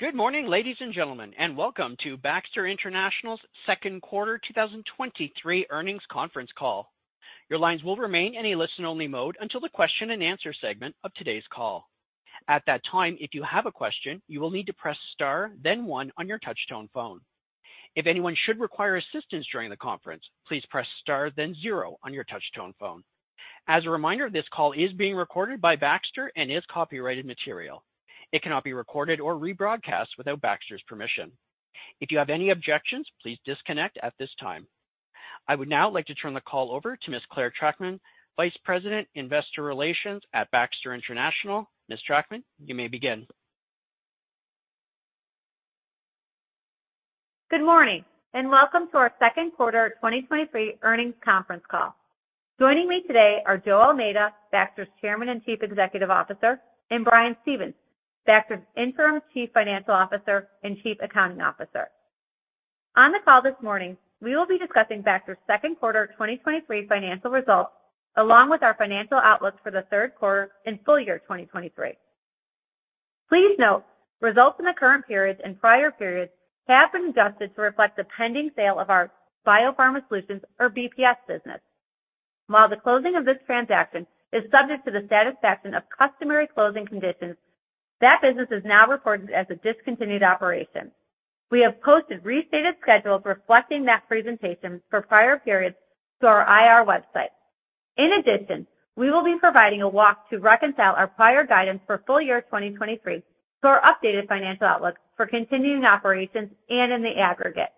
Good morning, ladies and gentlemen, welcome to Baxter International's second quarter 2023 earnings conference call. Your lines will remain in a listen-only mode until the question and answer segment of today's call. At that time, if you have a question, you will need to press Star, then one on your touchtone phone. If anyone should require assistance during the conference, please press Star, then zero on your touchtone phone. As a reminder, this call is being recorded by Baxter and is copyrighted material. It cannot be recorded or rebroadcast without Baxter's permission. If you have any objections, please disconnect at this time. I would now like to turn the call over to Ms. Clare Trachtman, Vice President, Investor Relations at Baxter International. Ms. Trachtman, you may begin. Good morning. Welcome to our Second Quarter 2023 earnings conference call. Joining me today are Joe Almeida, Baxter's Chairman and Chief Executive Officer, Brian Stevens, Baxter's Interim Chief Financial Officer and Chief Accounting Officer. On the call this morning, we will be discussing Baxter's second quarter 2023 financial results, along with our financial outlook for the third quarter and full year 2023. Please note, results in the current periods and prior periods have been adjusted to reflect the pending sale of our BioPharma Solutions or BPS business. While the closing of this transaction is subject to the satisfaction of customary closing conditions, that business is now reported as a discontinued operation. We have posted restated schedules reflecting that presentation for prior periods to our IR website. In addition, we will be providing a walk to reconcile our prior guidance for full year 2023 to our updated financial outlook for continuing operations and in the aggregate.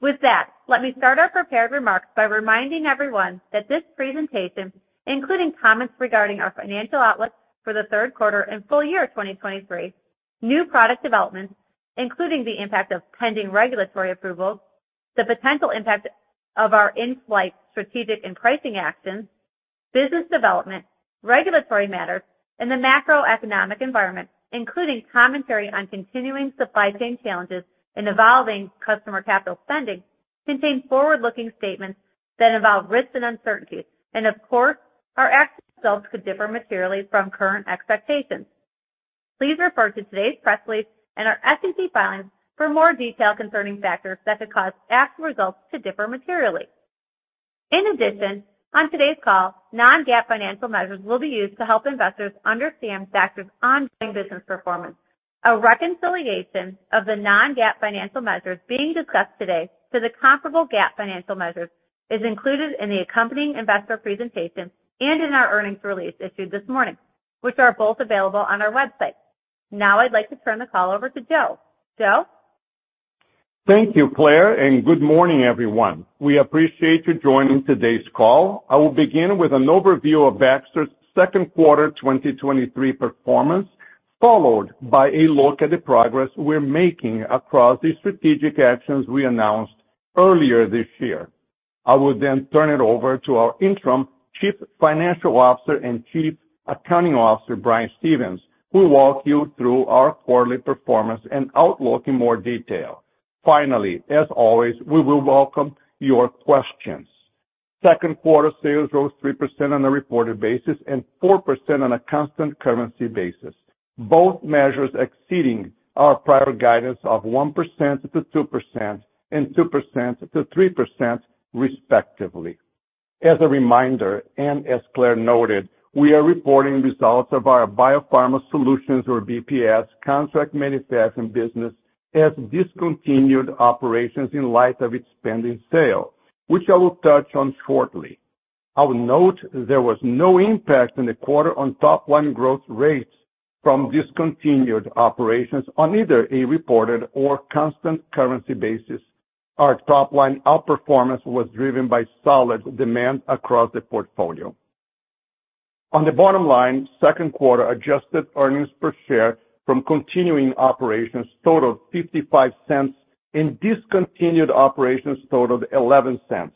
With that, let me start our prepared remarks by reminding everyone that this presentation, including comments regarding our financial outlook for the third quarter and full year 2023, new product developments, including the impact of pending regulatory approvals, the potential impact of our in-flight strategic and pricing actions, business development, regulatory matters, and the macroeconomic environment, including commentary on continuing supply chain challenges and evolving customer capital spending, contain forward-looking statements that involve risks and uncertainties. Of course, our actual results could differ materially from current expectations. Please refer to today's press release and our SEC filings for more detail concerning factors that could cause actual results to differ materially. In addition, on today's call, non-GAAP financial measures will be used to help investors understand factors on ongoing business performance. A reconciliation of the non-GAAP financial measures being discussed today to the comparable GAAP financial measures is included in the accompanying investor presentation and in our earnings release issued this morning, which are both available on our website. Now I'd like to turn the call over to Joe. Joe? Thank you, Clare, good morning, everyone. We appreciate you joining today's call. I will begin with an overview of Baxter's second quarter 2023 performance, followed by a look at the progress we're making across the strategic actions we announced earlier this year. I will turn it over to our Interim Chief Financial Officer and Chief Accounting Officer, Brian Stevens, who will walk you through our quarterly performance and outlook in more detail. Finally, as always, we will welcome your questions. Second quarter sales rose 3% on a reported basis and 4% on a constant currency basis, both measures exceeding our prior guidance of 1%-2% and 2%-3%, respectively. As a reminder, and as Clare noted, we are reporting results of our BioPharma Solutions or BPS contract manufacturing business as discontinued operations in light of its pending sale, which I will touch on shortly. I would note there was no impact in the quarter on top line growth rates from discontinued operations on either a reported or constant currency basis. Our top line outperformance was driven by solid demand across the portfolio. On the bottom line, second quarter adjusted earnings per share from continuing operations totaled $0.55, and discontinued operations totaled $0.11.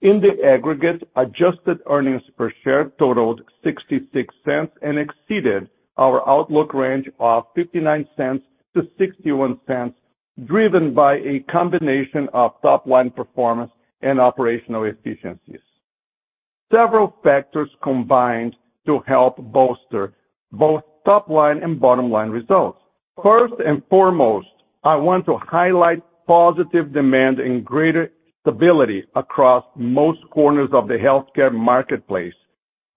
In the aggregate, adjusted earnings per share totaled $0.66 and exceeded our outlook range of $0.59-$0.61, driven by a combination of top line performance and operational efficiencies. Several factors combined to help bolster both top line and bottom line results. First and foremost, I want to highlight positive demand and greater stability across most corners of the healthcare marketplace,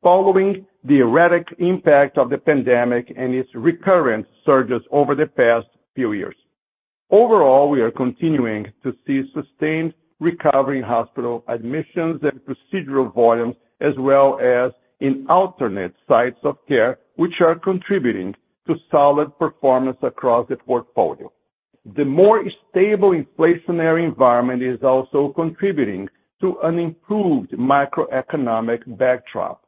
following the erratic impact of the pandemic and its recurrent surges over the past few years. Overall, we are continuing to see sustained recovery in hospital admissions and procedural volumes, as well as in alternate sites of care, which are contributing to solid performance across the portfolio. The more stable inflationary environment is also contributing to an improved macroeconomic backdrop,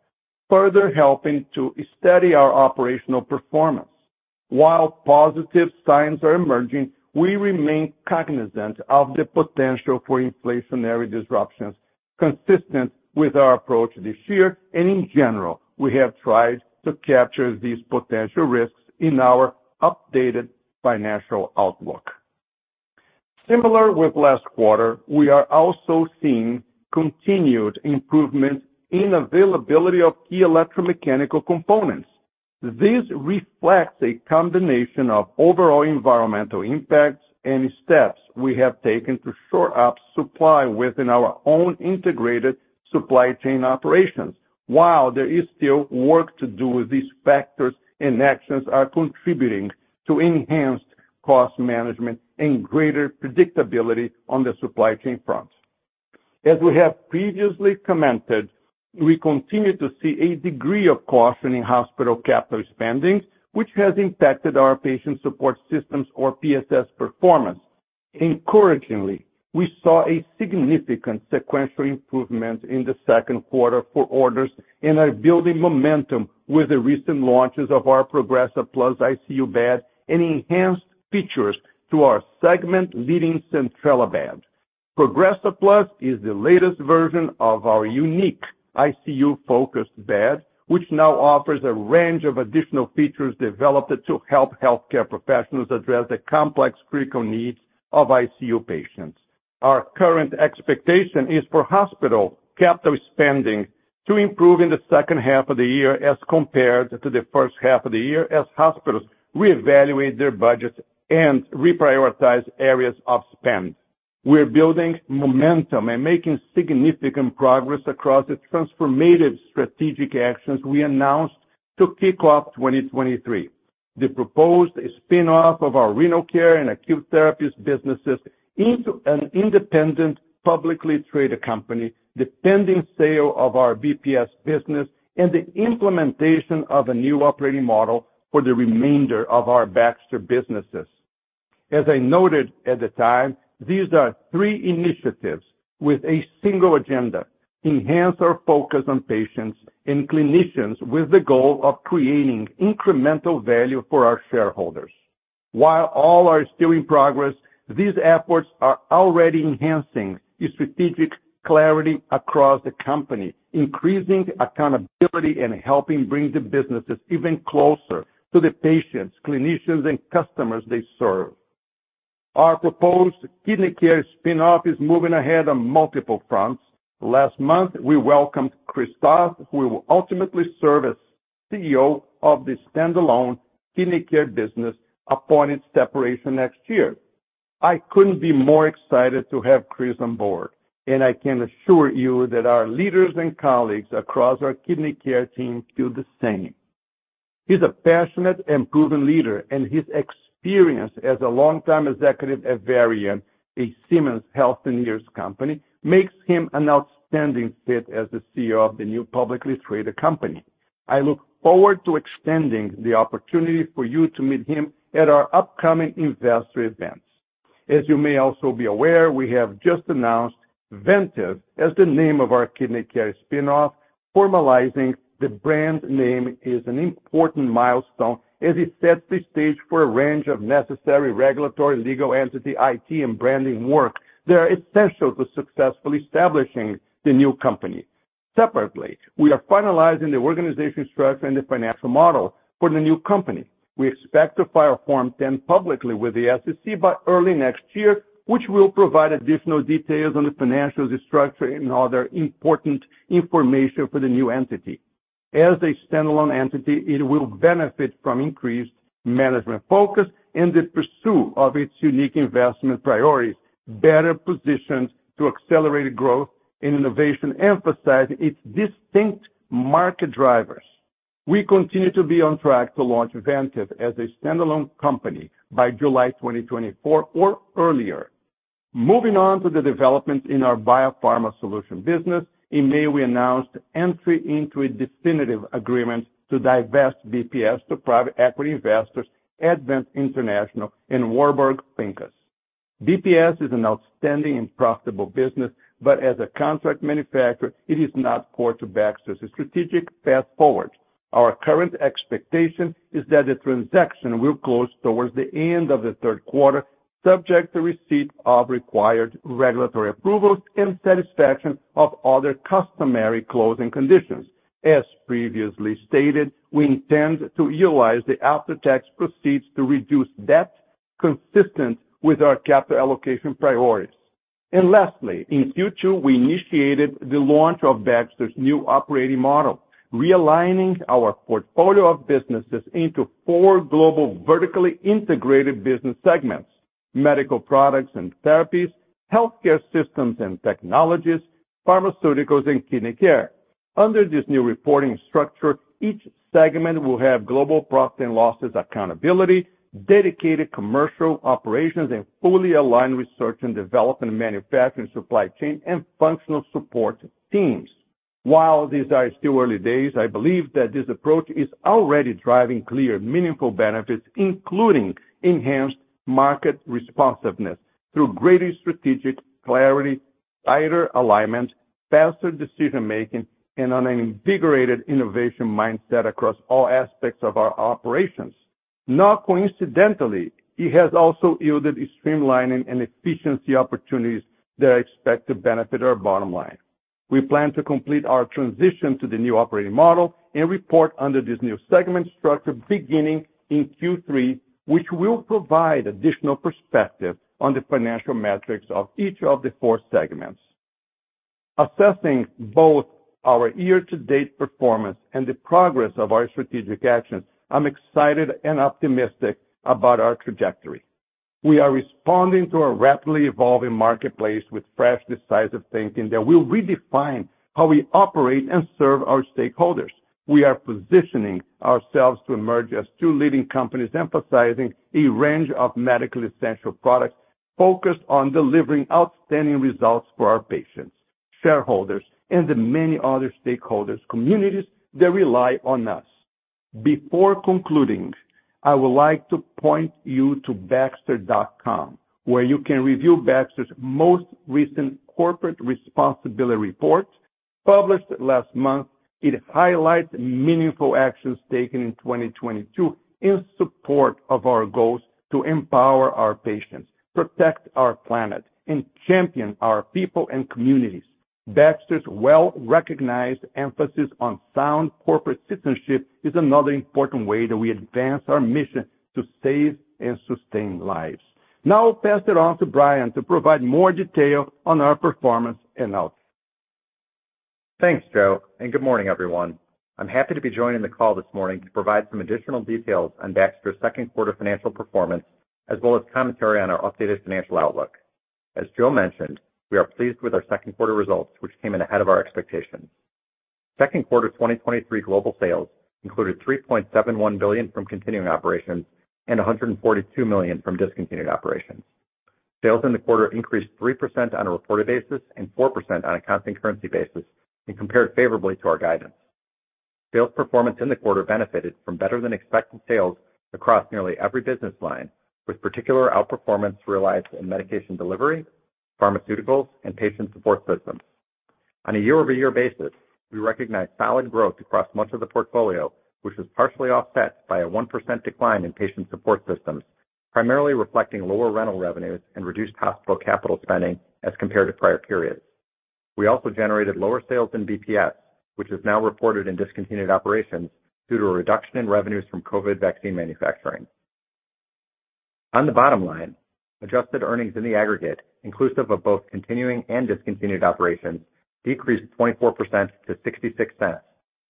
further helping to steady our operational performance. While positive signs are emerging, we remain cognizant of the potential for inflationary disruptions, consistent with our approach this year and in general, we have tried to capture these potential risks in our updated financial outlook....Similar with last quarter, we are also seeing continued improvements in availability of key electromechanical components. This reflects a combination of overall environmental impacts and steps we have taken to shore up supply within our own integrated supply chain operations. While there is still work to do, these factors and actions are contributing to enhanced cost management and greater predictability on the supply chain front. As we have previously commented, we continue to see a degree of caution in hospital capital spending, which has impacted our Patient Support Systems, or PSS performance. Encouragingly, we saw a significant sequential improvement in the second quarter for orders and are building momentum with the recent launches of our Progressa+ ICU bed and enhanced features to our segment-leading Centrella bed. Progressa+ is the latest version of our unique ICU-focused bed, which now offers a range of additional features developed to help healthcare professionals address the complex critical needs of ICU patients. Our current expectation is for hospital capital spending to improve in the second half of the year as compared to the first half of the year, as hospitals reevaluate their budgets and reprioritize areas of spend. We're building momentum and making significant progress across the transformative strategic actions we announced to kick off 2023. The proposed spin-off of our Renal Care and Acute Therapies businesses into an independent, publicly traded company, the pending sale of our BPS business, and the implementation of a new operating model for the remainder of our Baxter businesses. As I noted at the time, these are three initiatives with a single agenda: enhance our focus on patients and clinicians with the goal of creating incremental value for our shareholders. While all are still in progress, these efforts are already enhancing the strategic clarity across the company, increasing accountability and helping bring the businesses even closer to the patients, clinicians, and customers they serve. Our proposed Kidney Care spin-off is moving ahead on multiple fronts. Last month, we welcomed Chris Toth, who will ultimately serve as CEO of the standalone Kidney Care business upon its separation next year. I couldn't be more excited to have Chris on board, and I can assure you that our leaders and colleagues across our Kidney Care team feel the same. He's a passionate and proven leader, and his experience as a longtime executive at Varian, a Siemens Healthineers company, makes him an outstanding fit as the CEO of the new publicly traded company. I look forward to extending the opportunity for you to meet him at our upcoming investor events. As you may also be aware, we have just announced Vantive as the name of our Kidney Care spin-off. Formalizing the brand name is an important milestone as it sets the stage for a range of necessary regulatory, legal entity, IT, and branding work that are essential to successfully establishing the new company. Separately, we are finalizing the organization structure and the financial model for the new company. We expect to file Form 10 publicly with the SEC by early next year, which will provide additional details on the financial structure and other important information for the new entity. As a standalone entity, it will benefit from increased management focus and the pursuit of its unique investment priorities, better positioned to accelerate growth and innovation, emphasizing its distinct market drivers. We continue to be on track to launch Vantive as a standalone company by July 2024 or earlier. Moving on to the development in our BioPharma Solutions business. In May, we announced entry into a definitive agreement to divest BPS to private equity investors, Advent International and Warburg Pincus. BPS is an outstanding and profitable business, but as a contract manufacturer, it is not core to Baxter's strategic path forward. Our current expectation is that the transaction will close towards the end of the third quarter, subject to receipt of required regulatory approvals and satisfaction of other customary closing conditions. As previously stated, we intend to utilize the after-tax proceeds to reduce debt consistent with our capital allocation priorities. Lastly, in Q2, we initiated the launch of Baxter's new operating model, realigning our portfolio of businesses into four global, vertically integrated business segments: Medical Products and Therapies, Healthcare Systems and Technologies, Pharmaceuticals and Kidney Care. Under this new reporting structure, each segment will have global profit and losses, accountability, dedicated commercial operations, and fully aligned research and development, manufacturing, supply chain, and functional support teams. While these are still early days, I believe that this approach is already driving clear, meaningful benefits, including enhanced market responsiveness through greater strategic clarity, tighter alignment, faster decision-making, and on an invigorated innovation mindset across all aspects of our operations. Not coincidentally, it has also yielded a streamlining and efficiency opportunities that I expect to benefit our bottom line. We plan to complete our transition to the new operating model and report under this new segment structure beginning in Q3, which will provide additional perspective on the financial metrics of each of the four segments. Assessing both our year-to-date performance and the progress of our strategic actions, I'm excited and optimistic about our trajectory. We are responding to a rapidly evolving marketplace with fresh decisive thinking that will redefine how we operate and serve our stakeholders. We are positioning ourselves to emerge as two leading companies, emphasizing a range of medically essential products focused on delivering outstanding results for our patients, shareholders, and the many other stakeholders, communities that rely on us. Before concluding, I would like to point you to baxter.com, where you can review Baxter's most recent corporate responsibility report. Published last month, it highlights meaningful actions taken in 2022 in support of our goals to empower our patients, protect our planet, and champion our people and communities. Baxter's well-recognized emphasis on sound corporate citizenship is another important way that we advance our mission to save and sustain lives. I'll pass it on to Brian to provide more detail on our performance and outlook. Thanks, Joe. Good morning, everyone. I'm happy to be joining the call this morning to provide some additional details on Baxter's second quarter financial performance, as well as commentary on our updated financial outlook. As Joe mentioned, we are pleased with our second quarter results, which came in ahead of our expectations. Second quarter 2023 global sales included $3.71 billion from continuing operations and $142 million from discontinued operations. Sales in the quarter increased 3% on a reported basis and 4% on a constant currency basis and compared favorably to our guidance. Sales performance in the quarter benefited from better than expected sales across nearly every business line, with particular outperformance realized in Medication Delivery, pharmaceuticals, and Patient Support Systems. On a year-over-year basis, we recognized solid growth across much of the portfolio, which was partially offset by a 1% decline in Patient Support Systems, primarily reflecting lower rental revenues and reduced hospital capital spending as compared to prior periods. We also generated lower sales in BPS, which is now reported in discontinued operations, due to a reduction in revenues from COVID vaccine manufacturing. On the bottom line, adjusted earnings in the aggregate, inclusive of both continuing and discontinued operations, decreased 24% to $0.66,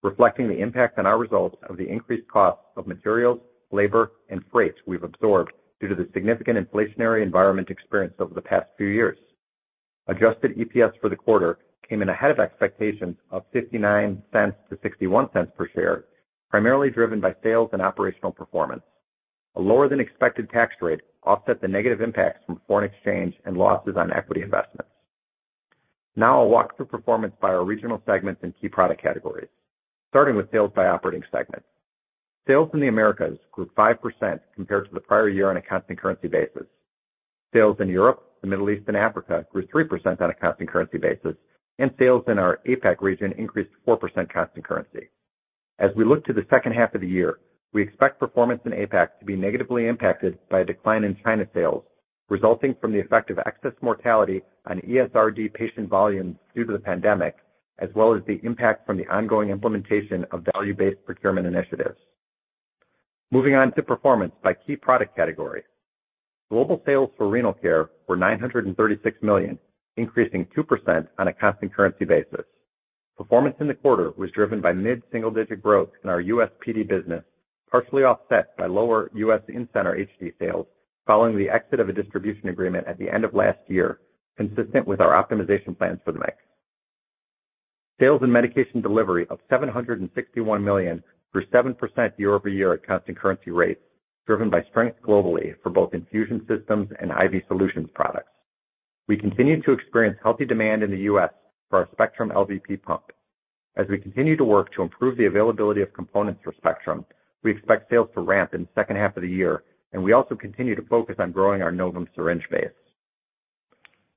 reflecting the impact on our results of the increased cost of materials, labor, and freight we've absorbed due to the significant inflationary environment experienced over the past few years. Adjusted EPS for the quarter came in ahead of expectations of $0.59-$0.61 per share, primarily driven by sales and operational performance. A lower than expected tax rate offset the negative impacts from foreign exchange and losses on equity investments. I'll walk through performance by our regional segments and key product categories, starting with sales by operating segment. Sales in the Americas grew 5% compared to the prior year on a constant currency basis. Sales in Europe, the Middle East, and Africa grew 3% on a constant currency basis, and sales in our APAC region increased 4% constant currency. As we look to the second half of the year, we expect performance in APAC to be negatively impacted by a decline in China sales, resulting from the effect of excess mortality on ESRD patient volumes due to the pandemic, as well as the impact from the ongoing implementation of value-based procurement initiatives. Moving on to performance by key product category. Global sales for Renal Care were $936 million, increasing 2% on a constant currency basis. Performance in the quarter was driven by mid-single-digit growth in our US PD business, partially offset by lower US in-center HD sales following the exit of a distribution agreement at the end of last year, consistent with our optimization plans for the mix. Sales in Medication Delivery of $761 million grew 7% year-over-year at constant currency rates, driven by strengths globally for both infusion systems and IV solutions products. We continue to experience healthy demand in the US for our Spectrum LVP pump. As we continue to work to improve the availability of components for Spectrum, we expect sales to ramp in the second half of the year, we also continue to focus on growing our Novum syringe base.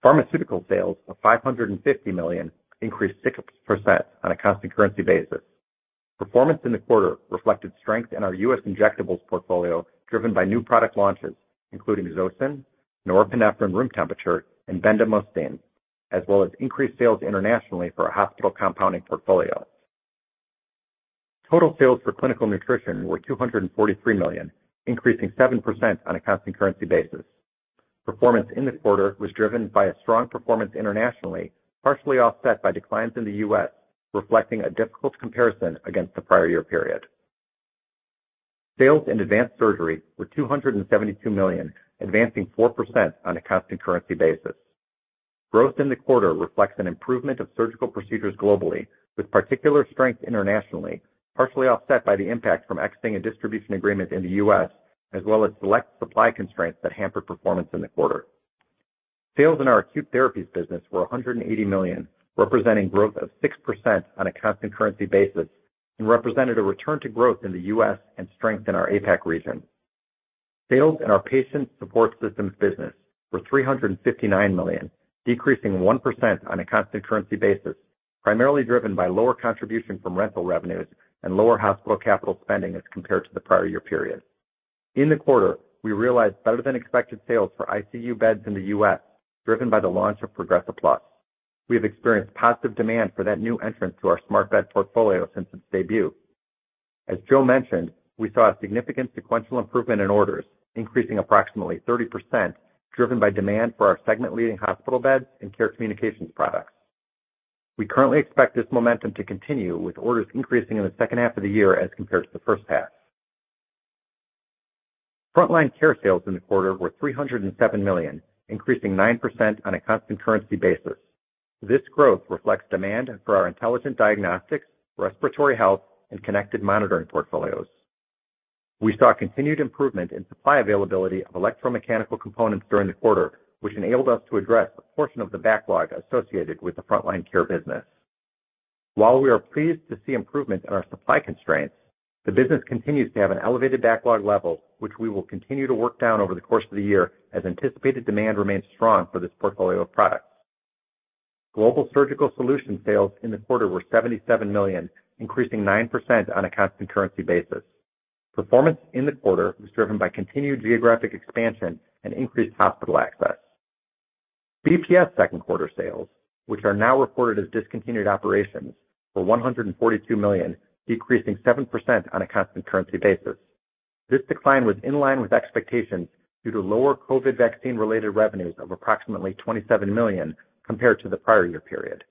Pharmaceutical sales of $550 million increased 6% on a constant currency basis. Performance in the quarter reflected strength in our US injectables portfolio, driven by new product launches, including Zosyn, norepinephrine, room temperature, and bendamustine, as well as increased sales internationally for our hospital compounding portfolio. Total sales for Clinical Nutrition were $243 million, increasing 7% on a constant currency basis. Performance in this quarter was driven by a strong performance internationally, partially offset by declines in the US, reflecting a difficult comparison against the prior year period. Sales in Advanced Surgery were $272 million, advancing 4% on a constant currency basis. Growth in the quarter reflects an improvement of surgical procedures globally, with particular strength internationally, partially offset by the impact from exiting a distribution agreement in the U.S., as well as select supply constraints that hampered performance in the quarter. Sales in our Acute Therapies business were $180 million, representing growth of 6% on a constant currency basis and represented a return to growth in the U.S. and strength in our APAC region. Sales in our Patient Support Systems business were $359 million, decreasing 1% on a constant currency basis, primarily driven by lower contribution from rental revenues and lower hospital capital spending as compared to the prior year period. In the quarter, we realized better-than-expected sales for ICU beds in the U.S., driven by the launch of Progressa+. We have experienced positive demand for that new entrance to our smart bed portfolio since its debut. As Joe mentioned, we saw a significant sequential improvement in orders, increasing approximately 30%, driven by demand for our segment-leading hospital beds and Care Communications products. We currently expect this momentum to continue, with orders increasing in the second half of the year as compared to the first half. Front Line Care sales in the quarter were $307 million, increasing 9% on a constant currency basis. This growth reflects demand for our intelligent diagnostics, Respiratory Health, and Connected Monitoring portfolios. We saw continued improvement in supply availability of electromechanical components during the quarter, which enabled us to address a portion of the backlog associated with the Front Line Care business. While we are pleased to see improvement in our supply constraints, the business continues to have an elevated backlog level, which we will continue to work down over the course of the year, as anticipated demand remains strong for this portfolio of products. Global surgical solution sales in the quarter were $77 million, increasing 9% on a constant currency basis. Performance in the quarter was driven by continued geographic expansion and increased hospital access. BPS second quarter sales, which are now reported as discontinued operations, were $142 million, decreasing 7% on a constant currency basis. This decline was in line with expectations due to lower COVID vaccine-related revenues of approximately $27 million compared to the prior year period.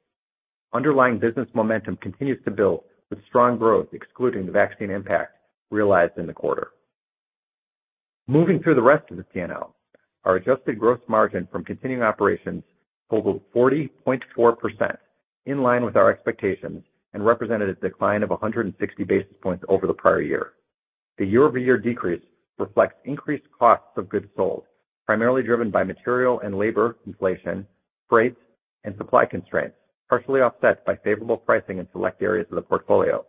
Underlying business momentum continues to build, with strong growth excluding the vaccine impact realized in the quarter. Moving through the rest of the PNL, our adjusted gross margin from continuing operations totaled 40.4%, in line with our expectations, represented a decline of 160 basis points over the prior year. The year-over-year decrease reflects increased costs of goods sold, primarily driven by material and labor inflation, freight, and supply constraints, partially offset by favorable pricing in select areas of the portfolio.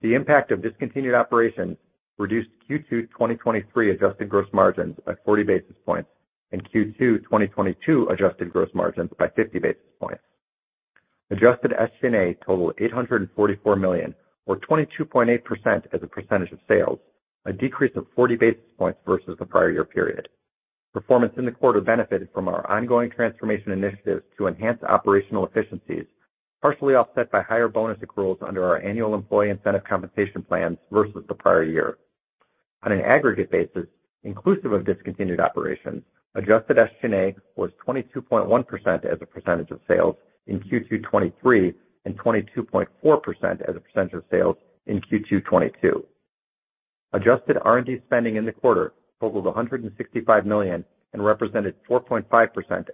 The impact of discontinued operations reduced Q2 2023 adjusted gross margins by 40 basis points and Q2 2022 adjusted gross margins by 50 basis points. Adjusted SG&A totaled $844 million, or 22.8% as a percentage of sales, a decrease of 40 basis points versus the prior year period. Performance in the quarter benefited from our ongoing transformation initiatives to enhance operational efficiencies, partially offset by higher bonus accruals under our annual employee incentive compensation plans versus the prior year. On an aggregate basis, inclusive of discontinued operations, adjusted SG&A was 22.1% as a percentage of sales in Q2 2023, and 22.4% as a percentage of sales in Q2 2022. Adjusted R&D spending in the quarter totaled $165 million and represented 4.5%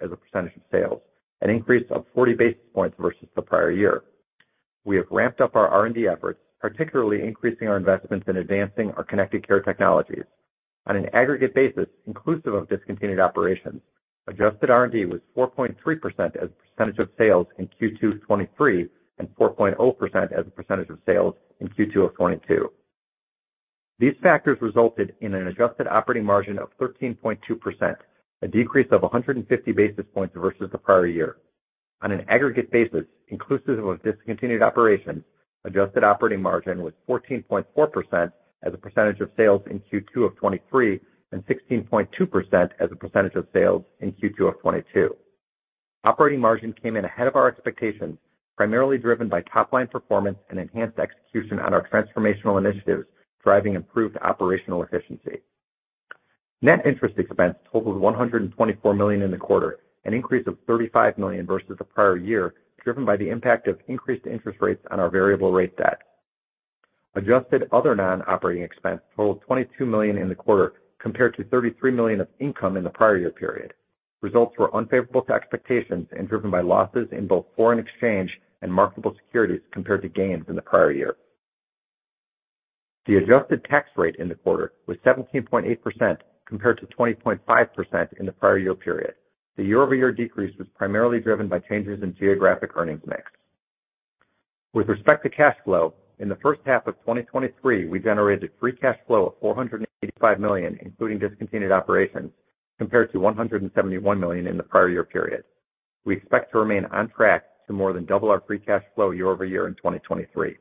as a percentage of sales, an increase of 40 basis points versus the prior year. We have ramped up our R&D efforts, particularly increasing our investments in advancing our connected care technologies. On an aggregate basis, inclusive of discontinued operations, adjusted R&D was 4.3% as a percentage of sales in Q2 2023, and 4.0% as a percentage of sales in Q2 2022. These factors resulted in an adjusted operating margin of 13.2%, a decrease of 150 basis points versus the prior year. On an aggregate basis, inclusive of discontinued operations, adjusted operating margin was 14.4% as a percentage of sales in Q2 2023, and 16.2% as a percentage of sales in Q2 2022. Operating margin came in ahead of our expectations, primarily driven by top-line performance and enhanced execution on our transformational initiatives, driving improved operational efficiency. Net interest expense totaled $124 million in the quarter, an increase of $35 million versus the prior year, driven by the impact of increased interest rates on our variable rate debt. Adjusted other non-operating expense totaled $22 million in the quarter, compared to $33 million of income in the prior year period. Results were unfavorable to expectations and driven by losses in both foreign exchange and marketable securities compared to gains in the prior year. The adjusted tax rate in the quarter was 17.8%, compared to 20.5% in the prior year period. The year-over-year decrease was primarily driven by changes in geographic earnings mix. With respect to cash flow, in the first half of 2023, we generated free cash flow of $485 million, including discontinued operations, compared to $171 million in the prior year period. We expect to remain on track to more than double our free cash flow year-over-year in 2023.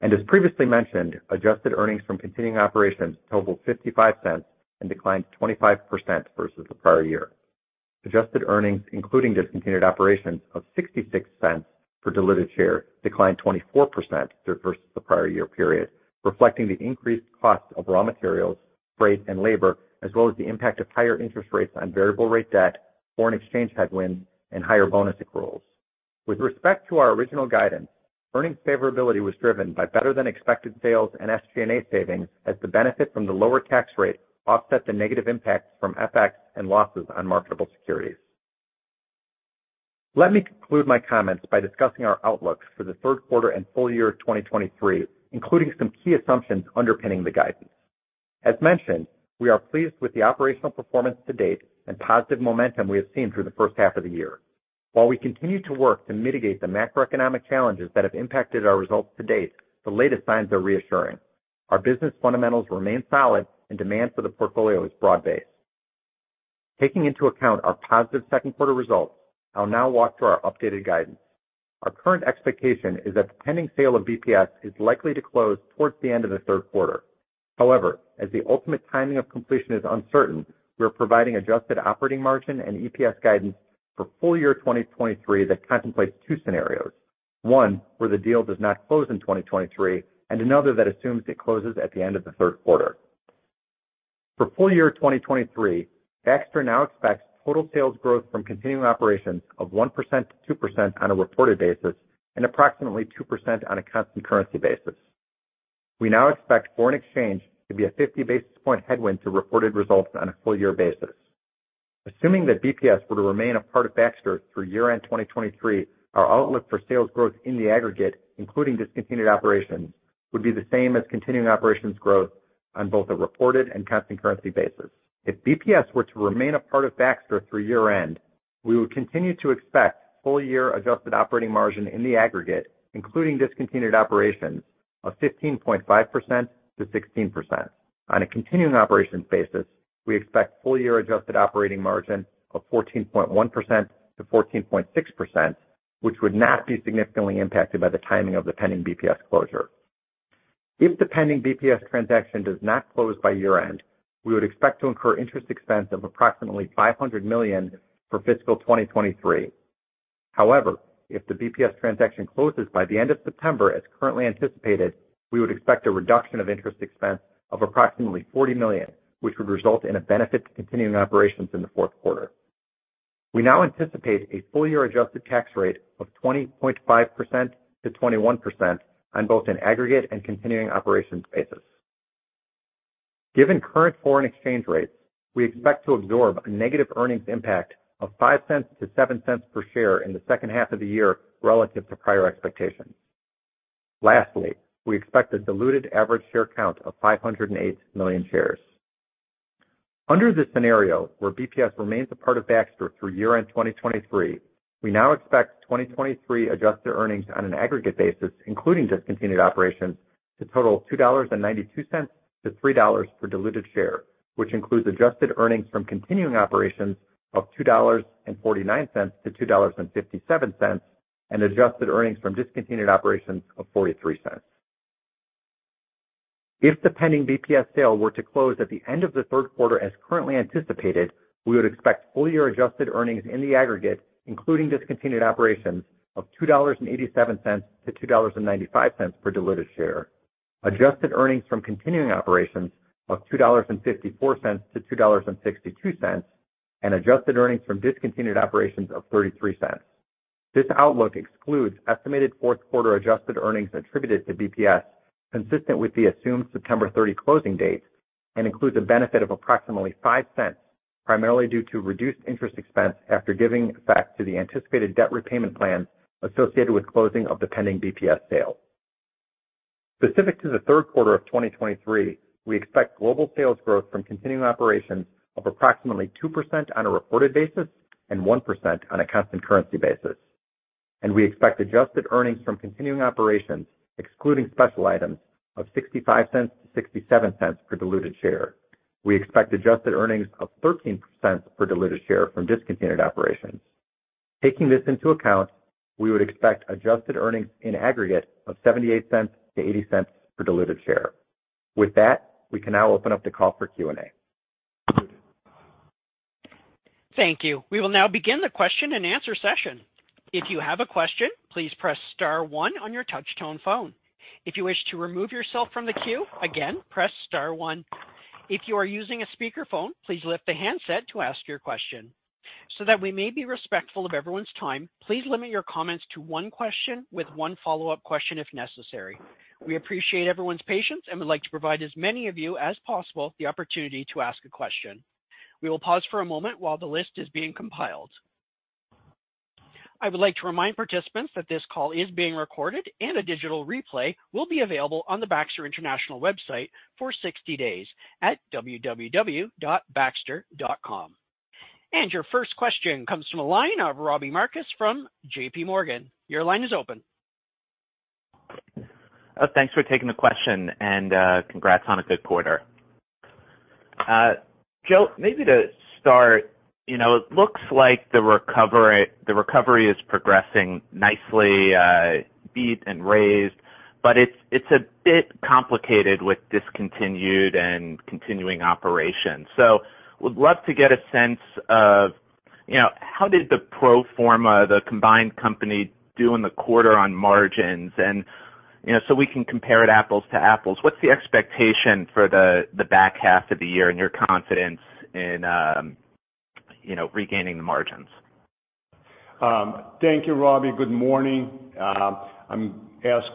As previously mentioned, adjusted earnings from continuing operations totaled $0.55 and declined 25% versus the prior year. Adjusted earnings, including discontinued operations of $0.66 per diluted share, declined 24% versus the prior year period, reflecting the increased cost of raw materials, freight, and labor, as well as the impact of higher interest rates on variable rate debt, foreign exchange headwinds, and higher bonus accruals. With respect to our original guidance, earnings favorability was driven by better-than-expected sales and SG&A savings, as the benefit from the lower tax rate offset the negative impacts from FX and losses on marketable securities. Let me conclude my comments by discussing our outlook for the third quarter and full year of 2023, including some key assumptions underpinning the guidance. As mentioned, we are pleased with the operational performance to date and positive momentum we have seen through the first half of the year. While we continue to work to mitigate the macroeconomic challenges that have impacted our results to date, the latest signs are reassuring. Our business fundamentals remain solid and demand for the portfolio is broad-based. Taking into account our positive second quarter results, I'll now walk through our updated guidance. Our current expectation is that the pending sale of BPS is likely to close towards the end of the third quarter. However, as the ultimate timing of completion is uncertain, we're providing adjusted operating margin and EPS guidance for full year 2023 that contemplates two scenarios. One, where the deal does not close in 2023, and another that assumes it closes at the end of the third quarter. For full year 2023, Baxter now expects total sales growth from continuing operations of 1%-2% on a reported basis and approximately 2% on a constant currency basis. We now expect foreign exchange to be a 50 basis point headwind to reported results on a full year basis. Assuming that BPS were to remain a part of Baxter through year-end 2023, our outlook for sales growth in the aggregate, including discontinued operations, would be the same as continuing operations growth on both a reported and constant currency basis. If BPS were to remain a part of Baxter through year-end, we would continue to expect full year adjusted operating margin in the aggregate, including discontinued operations, of 15.5%-16%. On a continuing operations basis, we expect full year adjusted operating margin of 14.1%-14.6%, which would not be significantly impacted by the timing of the pending BPS closure. If the pending BPS transaction does not close by year-end, we would expect to incur interest expense of approximately $500 million for fiscal 2023. If the BPS transaction closes by the end of September, as currently anticipated, we would expect a reduction of interest expense of approximately $40 million, which would result in a benefit to continuing operations in the fourth quarter. We now anticipate a full year adjusted tax rate of 20.5%-21% on both an aggregate and continuing operations basis. Given current foreign exchange rates, we expect to absorb a negative earnings impact of $0.05-$0.07 per share in the second half of the year relative to prior expectations. Lastly, we expect a diluted average share count of 508 million shares. Under this scenario, where BPS remains a part of Baxter through year-end 2023, we now expect 2023 adjusted earnings on an aggregate basis, including discontinued operations, to total $2.92-$3.00 per diluted share, which includes adjusted earnings from continuing operations of $2.49-$2.57, and adjusted earnings from discontinued operations of $0.43. If the pending BPS sale were to close at the end of the third quarter as currently anticipated, we would expect full year adjusted earnings in the aggregate, including discontinued operations, of $2.87-$2.95 per diluted share. Adjusted earnings from continuing operations of $2.54-$2.62, and adjusted earnings from discontinued operations of $0.33. This outlook excludes estimated fourth quarter adjusted earnings attributed to BPS, consistent with the assumed September 30 closing date, and includes a benefit of approximately $0.05, primarily due to reduced interest expense after giving back to the anticipated debt repayment plan associated with closing of the pending BPS sale. Specific to the third quarter of 2023, we expect global sales growth from continuing operations of approximately 2% on a reported basis and 1% on a constant currency basis. We expect adjusted earnings from continuing operations, excluding special items, of $0.65-$0.67 per diluted share. We expect adjusted earnings of $0.13 per diluted share from discontinued operations. Taking this into account, we would expect adjusted earnings in aggregate of $0.78-$0.80 per diluted share. With that, we can now open up the call for Q&A. Thank you. We will now begin the question and answer session. If you have a question, please press star one on your touchtone phone. If you wish to remove yourself from the queue, again, press star one. If you are using a speakerphone, please lift the handset to ask your question. That we may be respectful of everyone's time, please limit your comments to one question with one follow-up question if necessary. We appreciate everyone's patience and would like to provide as many of you as possible the opportunity to ask a question. We will pause for a moment while the list is being compiled. I would like to remind participants that this call is being recorded, and a digital replay will be available on the Baxter International website for 60 days at www.baxter.com. Your first question comes from the line of Robbie Marcus from JPMorgan. Your line is open. Thanks for taking the question and congrats on a good quarter. Joe, maybe to start, you know, it looks like the recovery is progressing nicely, beat and raised, but it's a bit complicated with discontinued and continuing operations. Would love to get a sense of, you know, how did the pro forma, the combined company, do in the quarter on margins? You know, so we can compare it apples to apples, what's the expectation for the back half of the year and your confidence in, you know, regaining the margins? Thank you, Robbie. Good morning. I'm ask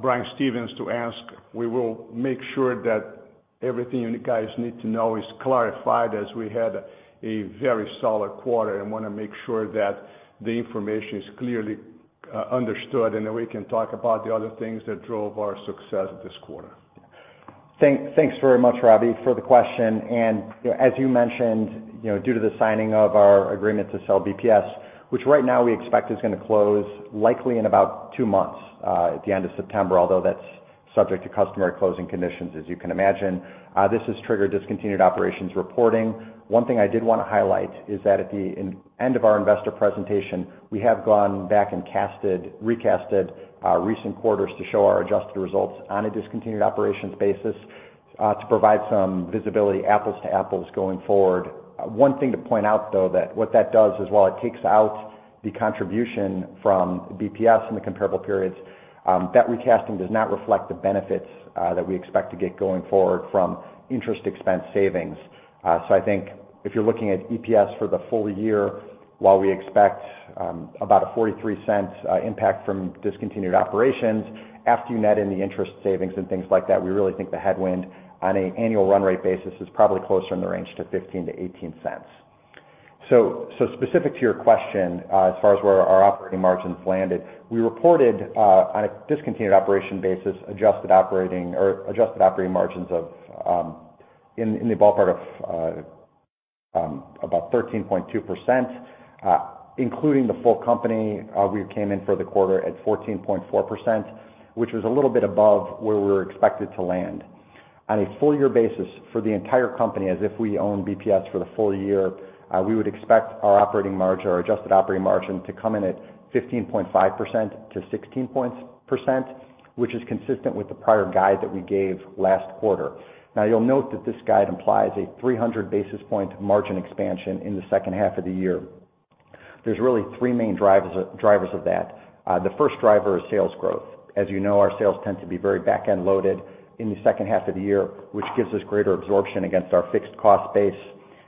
Brian Stevens to ask. We will make sure that everything you guys need to know is clarified, as we had a very solid quarter. I want to make sure that the information is clearly understood, and that we can talk about the other things that drove our success this quarter. Thanks very much, Robbie, for the question. You know, as you mentioned, you know, due to the signing of our agreement to sell BPS, which right now we expect is going to close likely in about two months, at the end of September, although that's subject to customary closing conditions, as you can imagine, this has triggered discontinued operations reporting. One thing I did want to highlight is that at the end of our investor presentation, we have gone back and recasted our recent quarters to show our adjusted results on a discontinued operations basis, to provide some visibility, apples to apples, going forward. One thing to point out, though, that what that does is while it takes out the contribution from BPS in the comparable periods, that recasting does not reflect the benefits that we expect to get going forward from interest expense savings. I think if you're looking at EPS for the full year, while we expect about a $0.43 impact from discontinued operations, after you net in the interest savings and things like that, we really think the headwind on an annual run rate basis is probably closer in the range to $0.15-$0.18. Specific to your question, as far as where our operating margins landed, we reported, on a discontinued operation basis, adjusted operating or adjusted operating margins of, in, in the ballpark of, about 13.2%. Including the full company, we came in for the quarter at 14.4%, which was a little bit above where we were expected to land. On a full year basis for the entire company, as if we own BPS for the full year, we would expect our operating margin or adjusted operating margin to come in at 15.5%-16%, which is consistent with the prior guide that we gave last quarter. You'll note that this guide implies a 300 basis point margin expansion in the second half of the year. There's really three main drivers of that. The first driver is sales growth. As you know, our sales tend to be very back-end loaded in the second half of the year, which gives us greater absorption against our fixed cost base,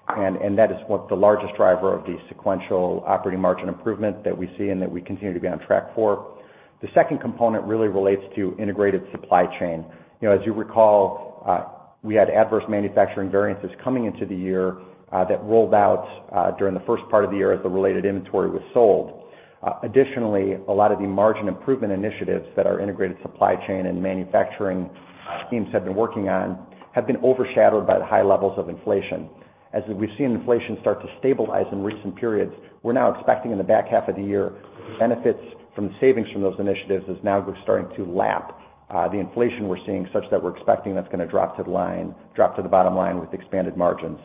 and that is what the largest driver of the sequential operating margin improvement that we see and that we continue to be on track for. The second component really relates to integrated supply chain. You know, as you recall, we had adverse manufacturing variances coming into the year, that rolled out during the first part of the year as the related inventory was sold. Additionally, a lot of the margin improvement initiatives that our integrated supply chain and manufacturing teams have been working on, have been overshadowed by the high levels of inflation. As we've seen inflation start to stabilize in recent periods, we're now expecting in the back half of the year, benefits from the savings from those initiatives is now we're starting to lap the inflation we're seeing, such that we're expecting that's gonna drop to the bottom line with expanded margins.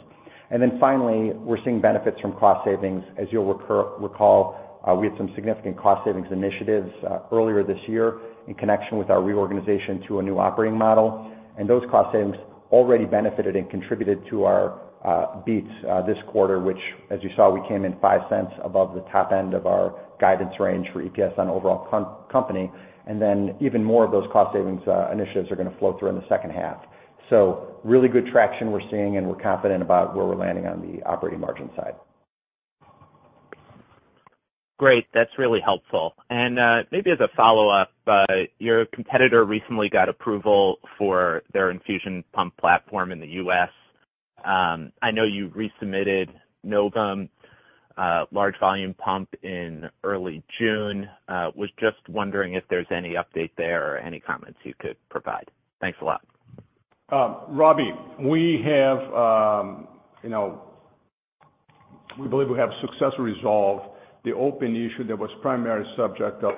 Finally, we're seeing benefits from cost savings. As you'll recall, we had some significant cost savings initiatives earlier this year in connection with our reorganization to a new operating model. Those cost savings already benefited and contributed to our beats this quarter, which, as you saw, we came in $0.05 above the top end of our guidance range for EPS on overall company. Even more of those cost savings initiatives are gonna flow through in the second half. Really good traction we're seeing, and we're confident about where we're landing on the operating margin side. Great, that's really helpful. Maybe as a follow-up, your competitor recently got approval for their infusion pump platform in the U.S. I know you resubmitted Novum, large volume pump in early June. Was just wondering if there's any update there or any comments you could provide? Thanks a lot. Robbie, we have, we believe we have successfully resolved the open issue that was primary subject of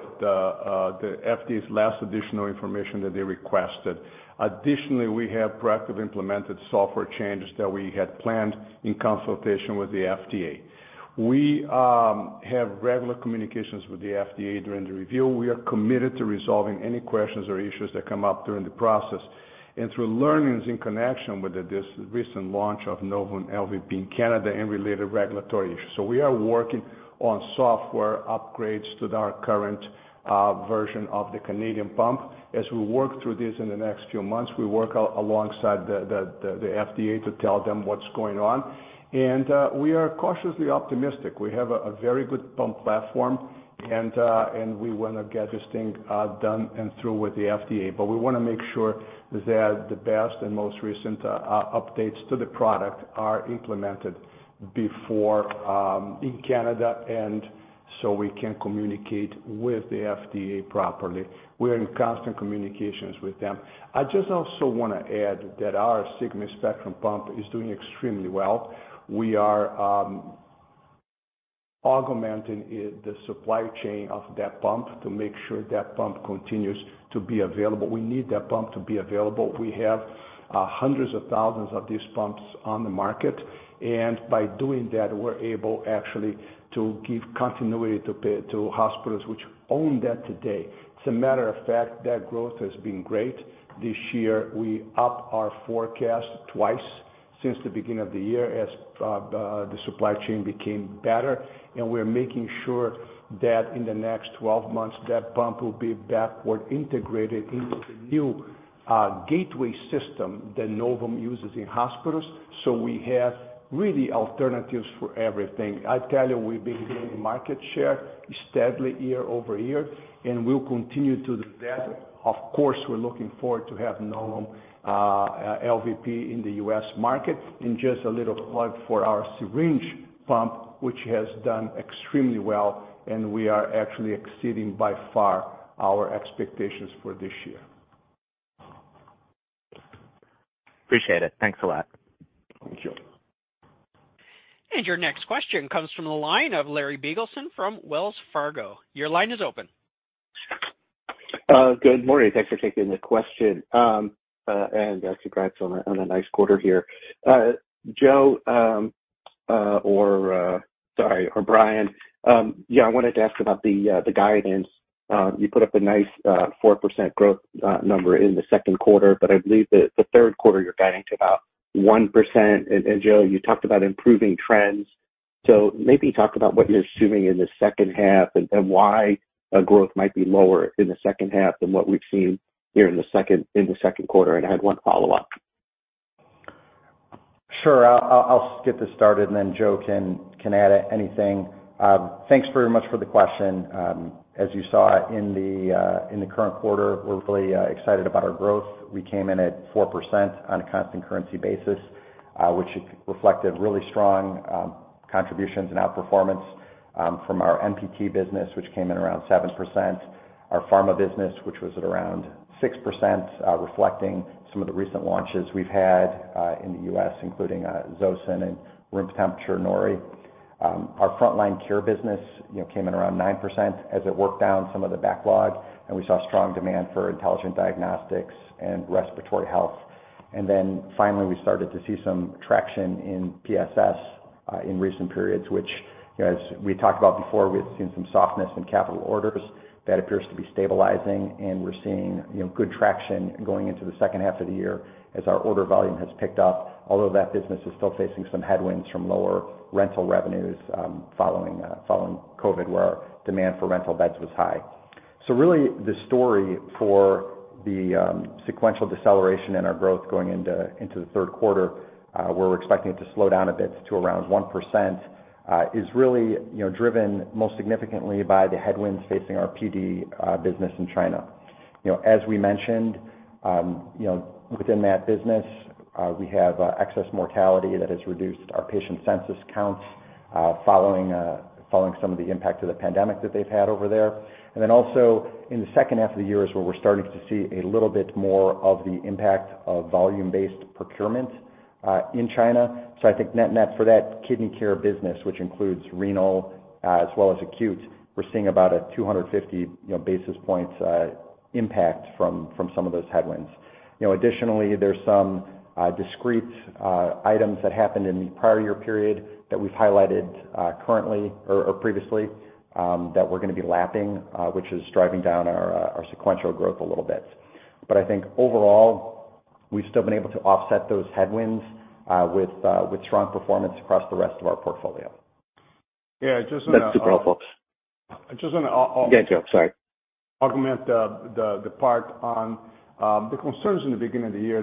the FDA's last additional information that they requested. Additionally, we have proactively implemented software changes that we had planned in consultation with the FDA. We have regular communications with the FDA during the review. We are committed to resolving any questions or issues that come up during the process and through learnings in connection with the recent launch of Novum LVP in Canada and related regulatory issues. We are working on software upgrades to our current version of the Canadian pump. As we work through this in the next few months, we work out alongside the FDA to tell them what's going on, and we are cautiously optimistic. We have a very good pump platform, and we want to get this thing done and through with the FDA. We wanna make sure that the best and most recent updates to the product are implemented before in Canada. We can communicate with the FDA properly. We are in constant communications with them. I just also wanna add that our SIGMA Spectrum pump is doing extremely well. We are augmenting the supply chain of that pump to make sure that pump continues to be available. We need that pump to be available. We have hundreds of thousands of these pumps on the market, and by doing that, we're able actually to give continuity to hospitals which own that today. As a matter of fact, that growth has been great. This year, we upped our forecast twice since the beginning of the year as the supply chain became better. We're making sure that in the next 12 months, that pump will be backward integrated into the new gateway system that Novum uses in hospitals. We have really alternatives for everything. I tell you, we've been gaining market share steadily year-over-year, and we'll continue to do that. Of course, we're looking forward to have Novum LVP in the US market. Just a little plug for our syringe pump, which has done extremely well, and we are actually exceeding by far our expectations for this year. Appreciate it. Thanks a lot. Thank you. Your next question comes from the line of Larry Biegelsen from Wells Fargo. Your line is open. Good morning. Thanks for taking the question. Congrats on a nice quarter here. Joe, or sorry, or Brian, yeah, I wanted to ask about the guidance. You put up a nice 4% growth number in the second quarter, but I believe that the third quarter, you're guiding to about 1%. Joe, you talked about improving trends. Maybe talk about what you're assuming in the second half, and why growth might be lower in the second half than what we've seen here in the second quarter, and I have one follow-up. Sure. I'll get this started, then Joe can add anything. Thanks very much for the question. As you saw in the current quarter, we're really excited about our growth. We came in at 4% on a constant currency basis, which reflected really strong contributions and outperformance from our MPT business, which came in around 7%. Our pharma business, which was at around 6%, reflecting some of the recent launches we've had in the US, including Zosyn and room temperature norepinephrine. Our Front Line Care business, you know, came in around 9% as it worked down some of the backlog, and we saw strong demand for intelligent diagnostics and Respiratory Health. Finally, we started to see some traction in PSS in recent periods, which, you know, as we talked about before, we had seen some softness in capital orders. That appears to be stabilizing, and we're seeing, you know, good traction going into the second half of the year as our order volume has picked up, although that business is still facing some headwinds from lower rental revenues, following following COVID, where our demand for rental beds was high. Really the story for the sequential deceleration in our growth going into into the third quarter, where we're expecting it to slow down a bit to around 1%, is really, you know, driven most significantly by the headwinds facing our PD business in China. You know, as we mentioned, you know, within that business, we have excess mortality that has reduced our patient census counts, following some of the impact of the pandemic that they've had over there. Also in the second half of the year is where we're starting to see a little bit more of the impact of volume-based procurement in China. I think net-net for that Kidney Care business, which includes Renal, as well as Acute, we're seeing about a 250, you know, basis points impact from some of those headwinds. You know, additionally, there's some discrete items that happened in the prior year period that we've highlighted currently or previously, that we're gonna be lapping, which is driving down our sequential growth a little bit. I think overall, we've still been able to offset those headwinds, with strong performance across the rest of our portfolio. Yeah. That's super helpful. I just wanna. Go ahead, Joe, sorry. Augment the part on the concerns in the beginning of the year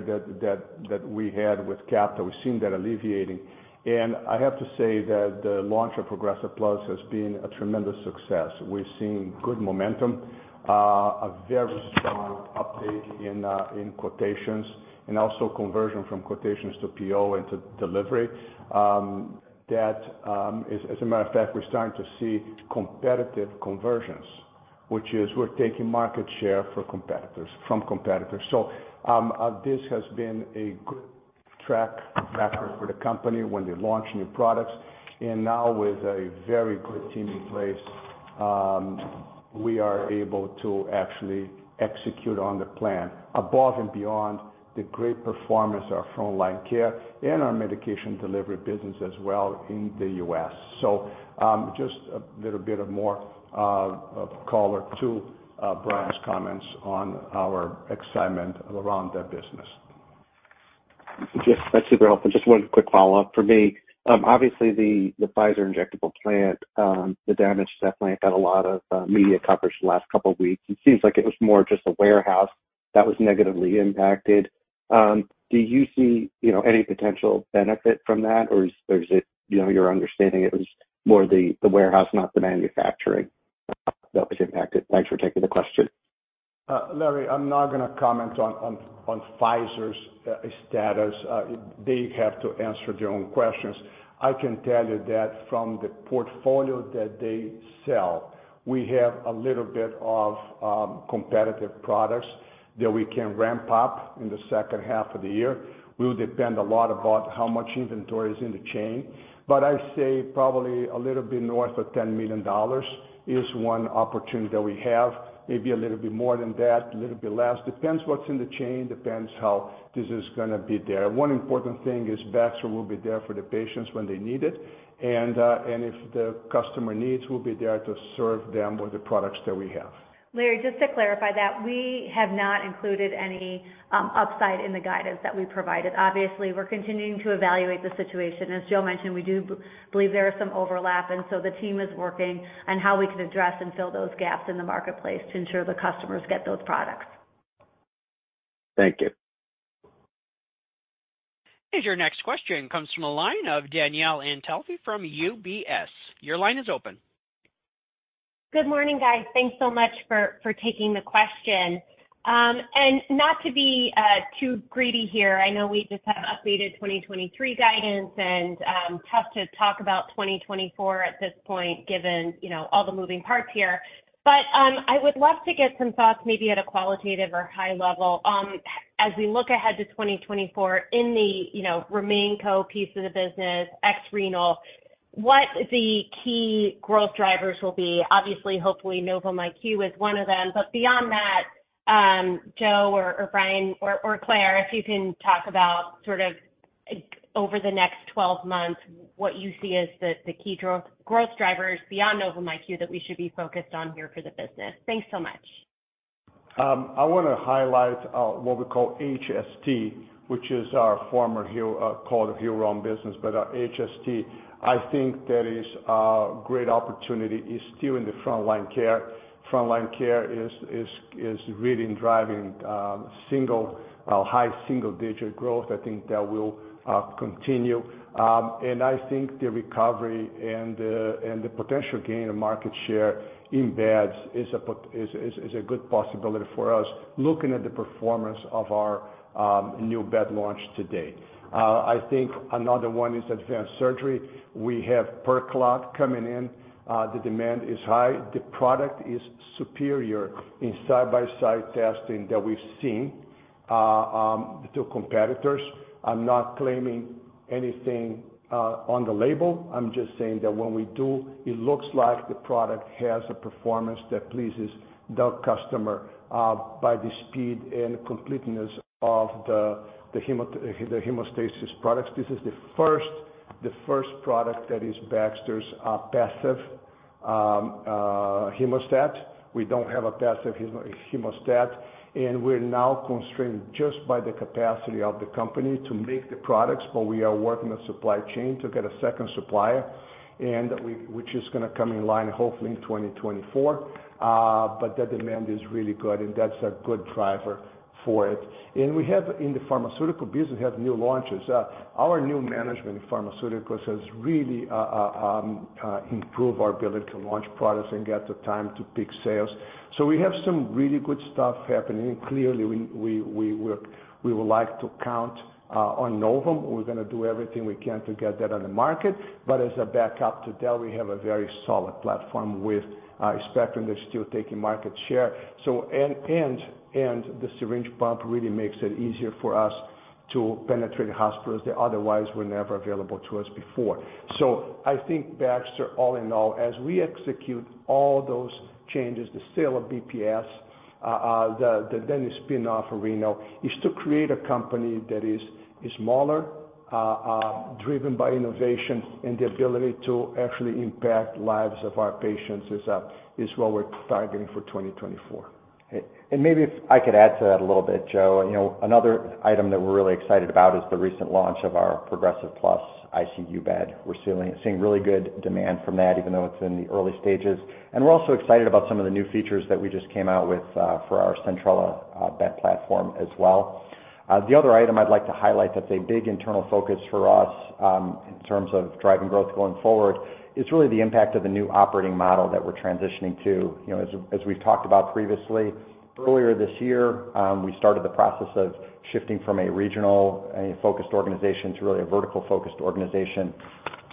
that we had with capital. We've seen that alleviating, and I have to say that the launch of Progressa+ has been a tremendous success. We've seen good momentum, a very strong update in quotations and also conversion from quotations to PO and to delivery. That, as a matter of fact, we're starting to see competitive conversions, which is we're taking market share for competitors, from competitors. This has been a good track record for the company when we launch new products, and now with a very good team in place, we are able to actually execute on the plan above and beyond the great performance of our Front Line Care and our Medication Delivery business as well in the US. Just a little bit of more color to Brian's comments on our excitement around that business. Yes, that's super helpful. Just one quick follow-up for me. Obviously the Pfizer injectable plant, the damage to that plant got a lot of media coverage the last couple weeks. It seems like it was more just a warehouse that was negatively impacted. Do you see any potential benefit from that, or is, or is it your understanding, it was more the warehouse, not the manufacturing that was impacted? Thanks for taking the question. Larry, I'm not gonna comment on Pfizer's status. They have to answer their own questions. I can tell you that from the portfolio that they sell, we have a little bit of competitive products that we can ramp up in the second half of the year. Will depend a lot about how much inventory is in the chain, but I'd say probably a little bit north of $10 million is one opportunity that we have. Maybe a little bit more than that, a little bit less, depends what's in the chain, depends how this is gonna be there. One important thing is Baxter will be there for the patients when they need it, and if the customer needs, we'll be there to serve them with the products that we have. Larry, just to clarify that we have not included any upside in the guidance that we provided. Obviously, we're continuing to evaluate the situation. As Joe mentioned, we do believe there is some overlap. The team is working on how we can address and fill those gaps in the marketplace to ensure the customers get those products. Thank you. Your next question comes from the line of Danielle Antalffy from UBS. Your line is open. Good morning, guys. Thanks so much for taking the question. Not to be too greedy here, I know we just have updated 2023 guidance and tough to talk about 2024 at this point, given, you know, all the moving parts here. I would love to get some thoughts, maybe at a qualitative or high level, as we look ahead to 2024 in the, you know, RemainCo piece of the business, ex-Renal. What the key growth drivers will be? Obviously, hopefully, Novum IQ is one of them. Beyond that, Joe or Brian or Clare, if you can talk about sort of, over the next 12 months, what you see as the key growth drivers beyond Novum IQ that we should be focused on here for the business. Thanks so much. I wanna highlight what we call HST, which is our former called Hillrom business, but HST. I think there is a great opportunity, is still in the Front Line Care. Front Line Care is, is, is really driving high single-digit growth. I think that will continue. And I think the recovery and the and the potential gain of market share in beds is a is, is, is a good possibility for us, looking at the performance of our new bed launch to date. I think another one is Advanced Surgery. We have PERCLOT coming in, the demand is high. The product is superior in side-by-side testing that we've seen to competitors. I'm not claiming anything on the label, I'm just saying that when we do, it looks like the product has a performance that pleases the customer by the speed and completeness of the hemostasis products. This is the first product that is Baxter's passive hemostat. We don't have a passive hemostat, and we're now constrained just by the capacity of the company to make the products, but we are working with supply chain to get a second supplier, which is gonna come in line hopefully in 2024. The demand is really good, and that's a good driver for it. We have in the pharmaceutical business, we have new launches. Our new management in pharmaceuticals has really improved our ability to launch products and get the time to peak sales. We have some really good stuff happening, and clearly, we would like to count on Novum. We're gonna do everything we can to get that on the market. As a backup to that, we have a very solid platform with Spectrum that's still taking market share. The syringe pump really makes it easier for us to penetrate hospitals that otherwise were never available to us before. I think Baxter, all in all, as we execute all those changes, the sale of BPS, then the spin-off of Renal, is to create a company that is smaller, driven by innovation, and the ability to actually impact lives of our patients is what we're targeting for 2024. Maybe if I could add to that a little bit, Joe. You know, another item that we're really excited about is the recent launch of our Progressa+ ICU bed. We're seeing really good demand from that, even though it's in the early stages. We're also excited about some of the new features that we just came out with for our Centrella bed platform as well. The other item I'd like to highlight that's a big internal focus for us in terms of driving growth going forward, is really the impact of the new operating model that we're transitioning to. You know, as we've talked about previously, earlier this year, we started the process of shifting from a regional, focused organization to really a vertical-focused organization,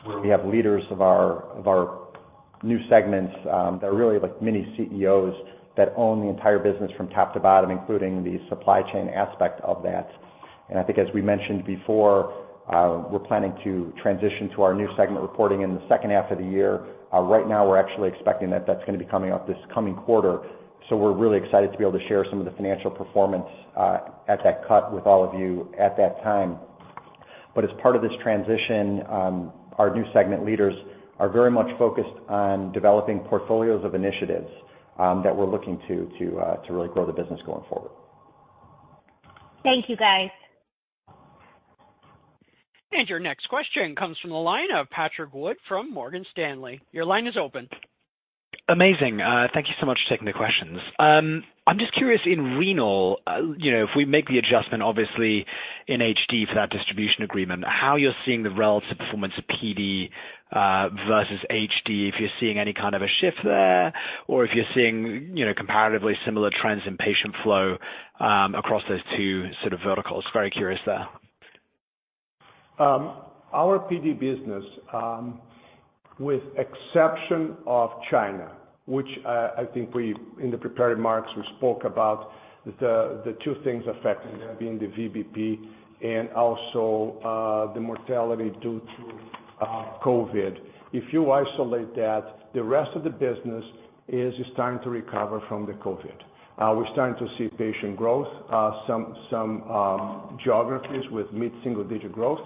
where we have leaders of our new segments that are really like mini CEOs that own the entire business from top to bottom, including the supply chain aspect of that. I think as we mentioned before, we're planning to transition to our new segment reporting in the second half of the year. Right now we're actually expecting that that's gonna be coming up this coming quarter, so we're really excited to be able to share some of the financial performance at that cut with all of you at that time. As part of this transition, our new segment leaders are very much focused on developing portfolios of initiatives, that we're looking to really grow the business going forward. Thank you, guys. Your next question comes from the line of Patrick Wood from Morgan Stanley. Your line is open. Amazing. Thank you so much for taking the questions. I'm just curious, in Renal, you know, if we make the adjustment obviously in HD for that distribution agreement, how you're seeing the relative performance of PD versus HD, if you're seeing any kind of a shift there, or if you're seeing, you know, comparatively similar trends in patient flow across those two sort of verticals? Very curious there. Our PD business, with exception of China, which I think we, in the prepared remarks, we spoke about the two things affecting them being the VBP and also the mortality due to COVID. If you isolate that, the rest of the business is starting to recover from the COVID. We're starting to see patient growth, some geographies with mid-single digit growth,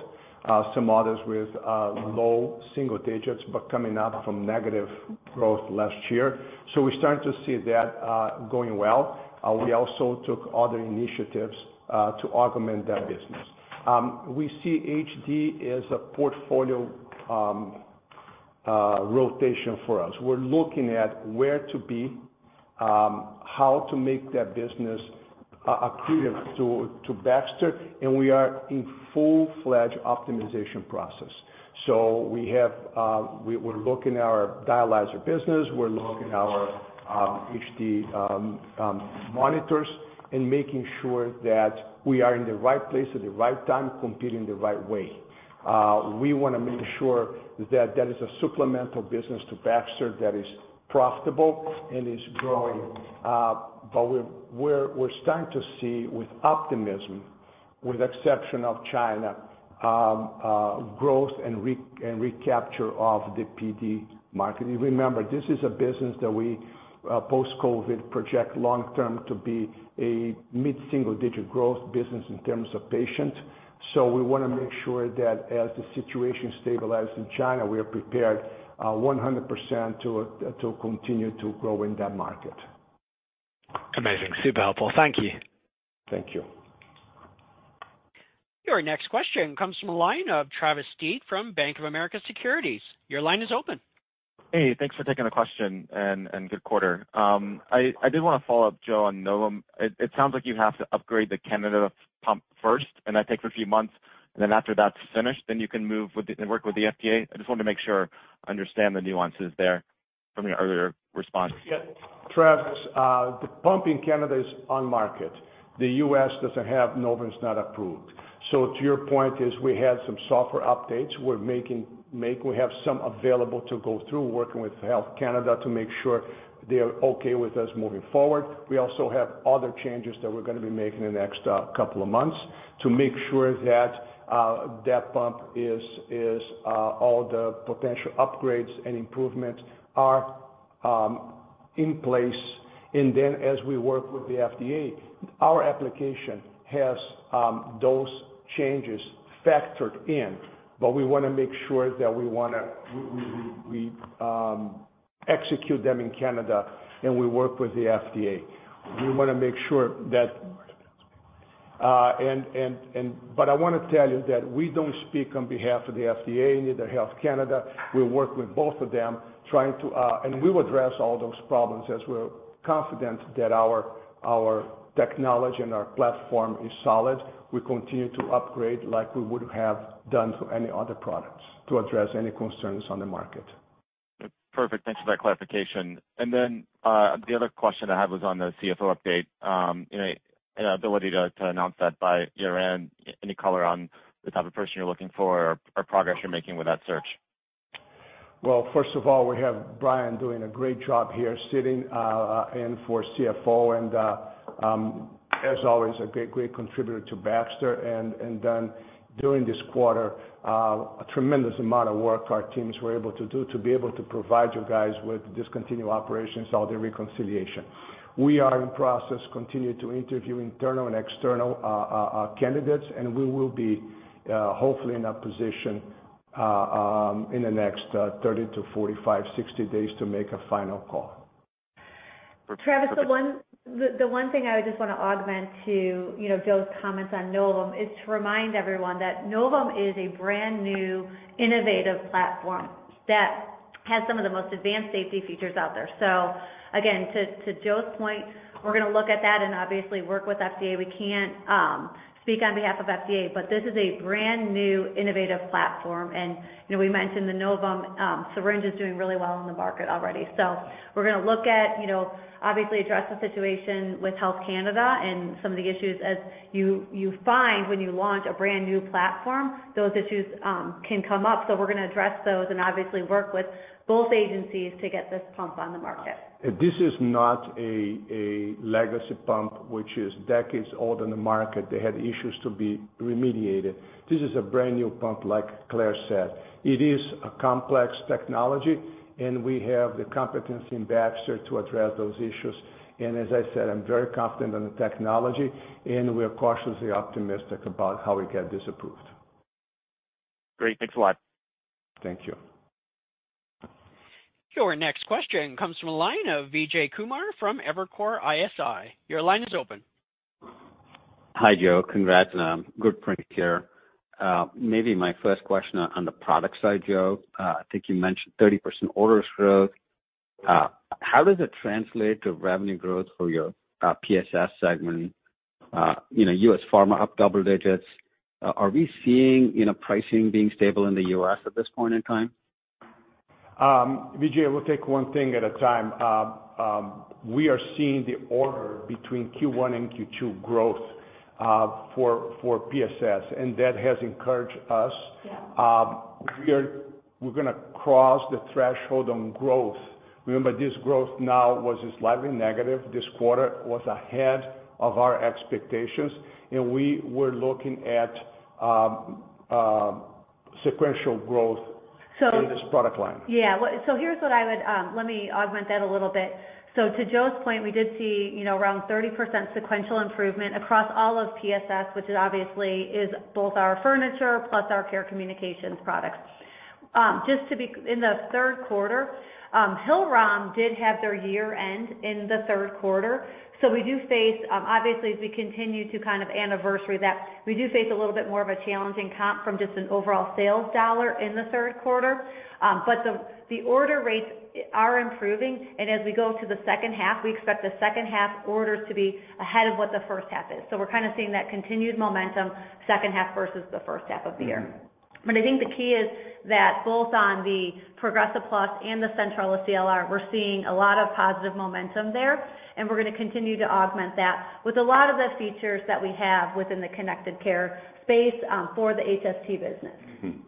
some others with low single digits, but coming up from negative growth last year. We're starting to see that going well. We also took other initiatives to augment that business. We see HD as a portfolio rotation for us. We're looking at where to be, how to make that business accretive to Baxter, and we are in full-fledged optimization process. We have, we're looking at our dialyzer business, we're looking at our HD monitors, and making sure that we are in the right place at the right time, competing the right way. We wanna make sure that that is a supplemental business to Baxter that is profitable and is growing. But we're starting to see with optimism with exception of China, growth and recapture of the PD market. You remember, this is a business that we post-COVID project long-term to be a mid-single digit growth business in terms of patients. We wanna make sure that as the situation stabilizes in China, we are prepared, 100% to continue to grow in that market. Amazing. Super helpful. Thank you. Thank you. Your next question comes from the line of Travis Steed from Bank of America Securities. Your line is open. Hey, thanks for taking the question, and good quarter. I did wanna follow up, Joe, on Novum. It sounds like you have to upgrade the Canada pump first, and that takes a few months, and then after that's finished, then you can work with the FDA? I just wanted to make sure I understand the nuances there from your earlier response. Yeah, Travis, the pump in Canada is on market. Novum IQ's not approved. To your point is, we had some software updates we're making, we have some available to go through working with Health Canada to make sure they are okay with us moving forward. We also have other changes that we're gonna be making in the next couple of months to make sure that that pump is, is, all the potential upgrades and improvements are in place. As we work with the FDA, our application has those changes factored in. We wanna make sure that we execute them in Canada, and we work with the FDA. I wanna tell you that we don't speak on behalf of the FDA, neither Health Canada. We work with both of them, trying to, and we will address all those problems, as we're confident that our technology and our platform is solid. We continue to upgrade, like we would have done to any other products, to address any concerns on the market. Perfect. Thanks for that clarification. The other question I had was on the CFO update. You know, an ability to announce that by year-end. Any color on the type of person you're looking for, or progress you're making with that search? Well, first of all, we have Brian doing a great job here, sitting in for CFO, and as always, a great contributor to Baxter. During this quarter, a tremendous amount of work our teams were able to do to be able to provide you guys with discontinued operations, all the reconciliation. We are in process, continue to interview internal and external candidates, and we will be hopefully in a position in the next 30 to 45, 60 days to make a final call. Travis, the one thing I would just want to augment to, you know, Joe's comments on Novum, is to remind everyone that Novum is a brand-new, innovative platform that has some of the most advanced safety features out there. Again, to Joe's point, we're gonna look at that and obviously work with FDA. We can't speak on behalf of FDA, but this is a brand-new, innovative platform. You know, we mentioned the Novum syringe is doing really well in the market already. We're gonna look at, you know, obviously address the situation with Health Canada and some of the issues. As you find when you launch a brand-new platform, those issues can come up. We're gonna address those and obviously work with both agencies to get this pump on the market. This is not a legacy pump, which is decades old on the market. They had issues to be remediated. This is a brand-new pump, like Clare said. It is a complex technology, and we have the competency in Baxter to address those issues. As I said, I'm very confident in the technology, and we are cautiously optimistic about how we get this approved. Great. Thanks a lot. Thank you. Your next question comes from a line of Vijay Kumar from Evercore ISI. Your line is open. Hi, Joe. Congrats on good print here. Maybe my first question on the product side, Joe. I think you mentioned 30% orders growth. How does it translate to revenue growth for your PSS segment? You know, US pharma up double digits. Are we seeing, you know, pricing being stable in the US at this point in time? Vijay, we'll take one thing at a time. We are seeing the order between Q1 and Q2 growth, for PSS. That has encouraged us. We're gonna cross the threshold on growth. Remember, this growth now was slightly negative. This quarter was ahead of our expectations, and we were looking at sequential growth. So. In this product line. Yeah. Well, here's what I would, let me augment that a little bit. To Joe's point, we did see, you know, around 30% sequential improvement across all of PSS, which obviously is both our furniture plus our Care Communications products. In the third quarter, Hillrom did have their year-end in the third quarter. We do face, obviously, as we continue to kind of anniversary that, we do face a little bit more of a challenging comp from just an overall sales dollar in the third quarter. The order rates are improving, and as we go to the second half, we expect the second half orders to be ahead of what the first half is. We're kind of seeing that continued momentum second half versus the first half of the year. I think the key is that both on the Progressa+ and the Centrella SLR, we're seeing a lot of positive momentum there, and we're gonna continue to augment that with a lot of the features that we have within the connected care space, for the HST business.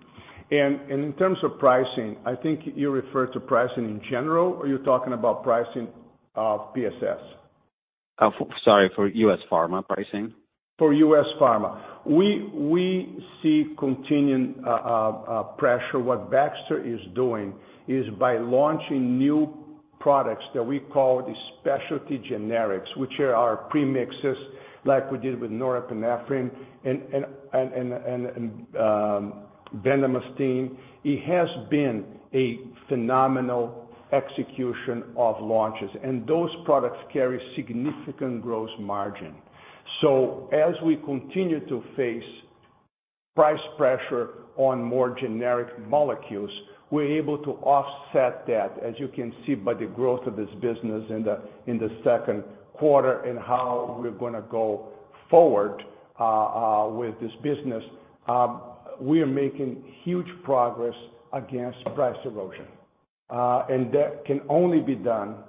And in terms of pricing, I think you referred to pricing in general, or you're talking about pricing of PSS? Sorry, for U.S. pharma pricing. For U.S. pharma, we see continuing pressure. What Baxter is doing is by launching new products that we call the specialty generics, which are our premixes, like we did with norepinephrine and bendamustine. It has been a phenomenal execution of launches, and those products carry significant gross margin. As we continue to face price pressure on more generic molecules, we're able to offset that, as you can see by the growth of this business in the second quarter, and how we're gonna go forward with this business. We are making huge progress against price erosion. That can only be done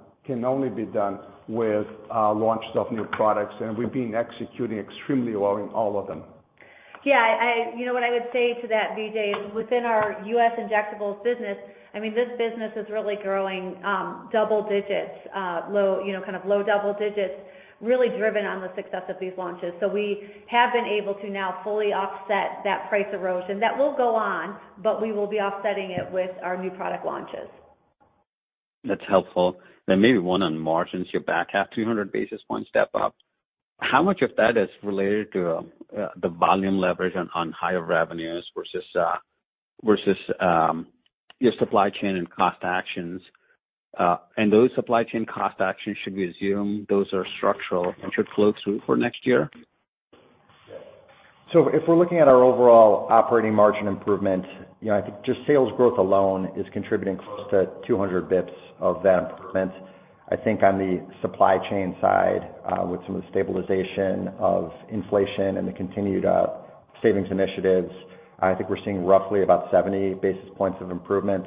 with launches of new products, and we've been executing extremely well in all of them. You know what I would say to that, Vijay, is within our U.S. injectables business, I mean, this business is really growing, double digits, low, you know, kind of low double digits, really driven on the success of these launches. We have been able to now fully offset that price erosion. That will go on, but we will be offsetting it with our new product launches. That's helpful. Maybe one on margins, your back half, 300 basis point step up. How much of that is related to the volume leverage on higher revenues versus your supply chain and cost actions? Those supply chain cost actions, should we assume those are structural and should flow through for next year? If we're looking at our overall operating margin improvement, you know, I think just sales growth alone is contributing close to 200 basis points of that improvement. I think on the supply chain side, with some of the stabilization of inflation and the continued, savings initiatives, I think we're seeing roughly about 70 basis points of improvement.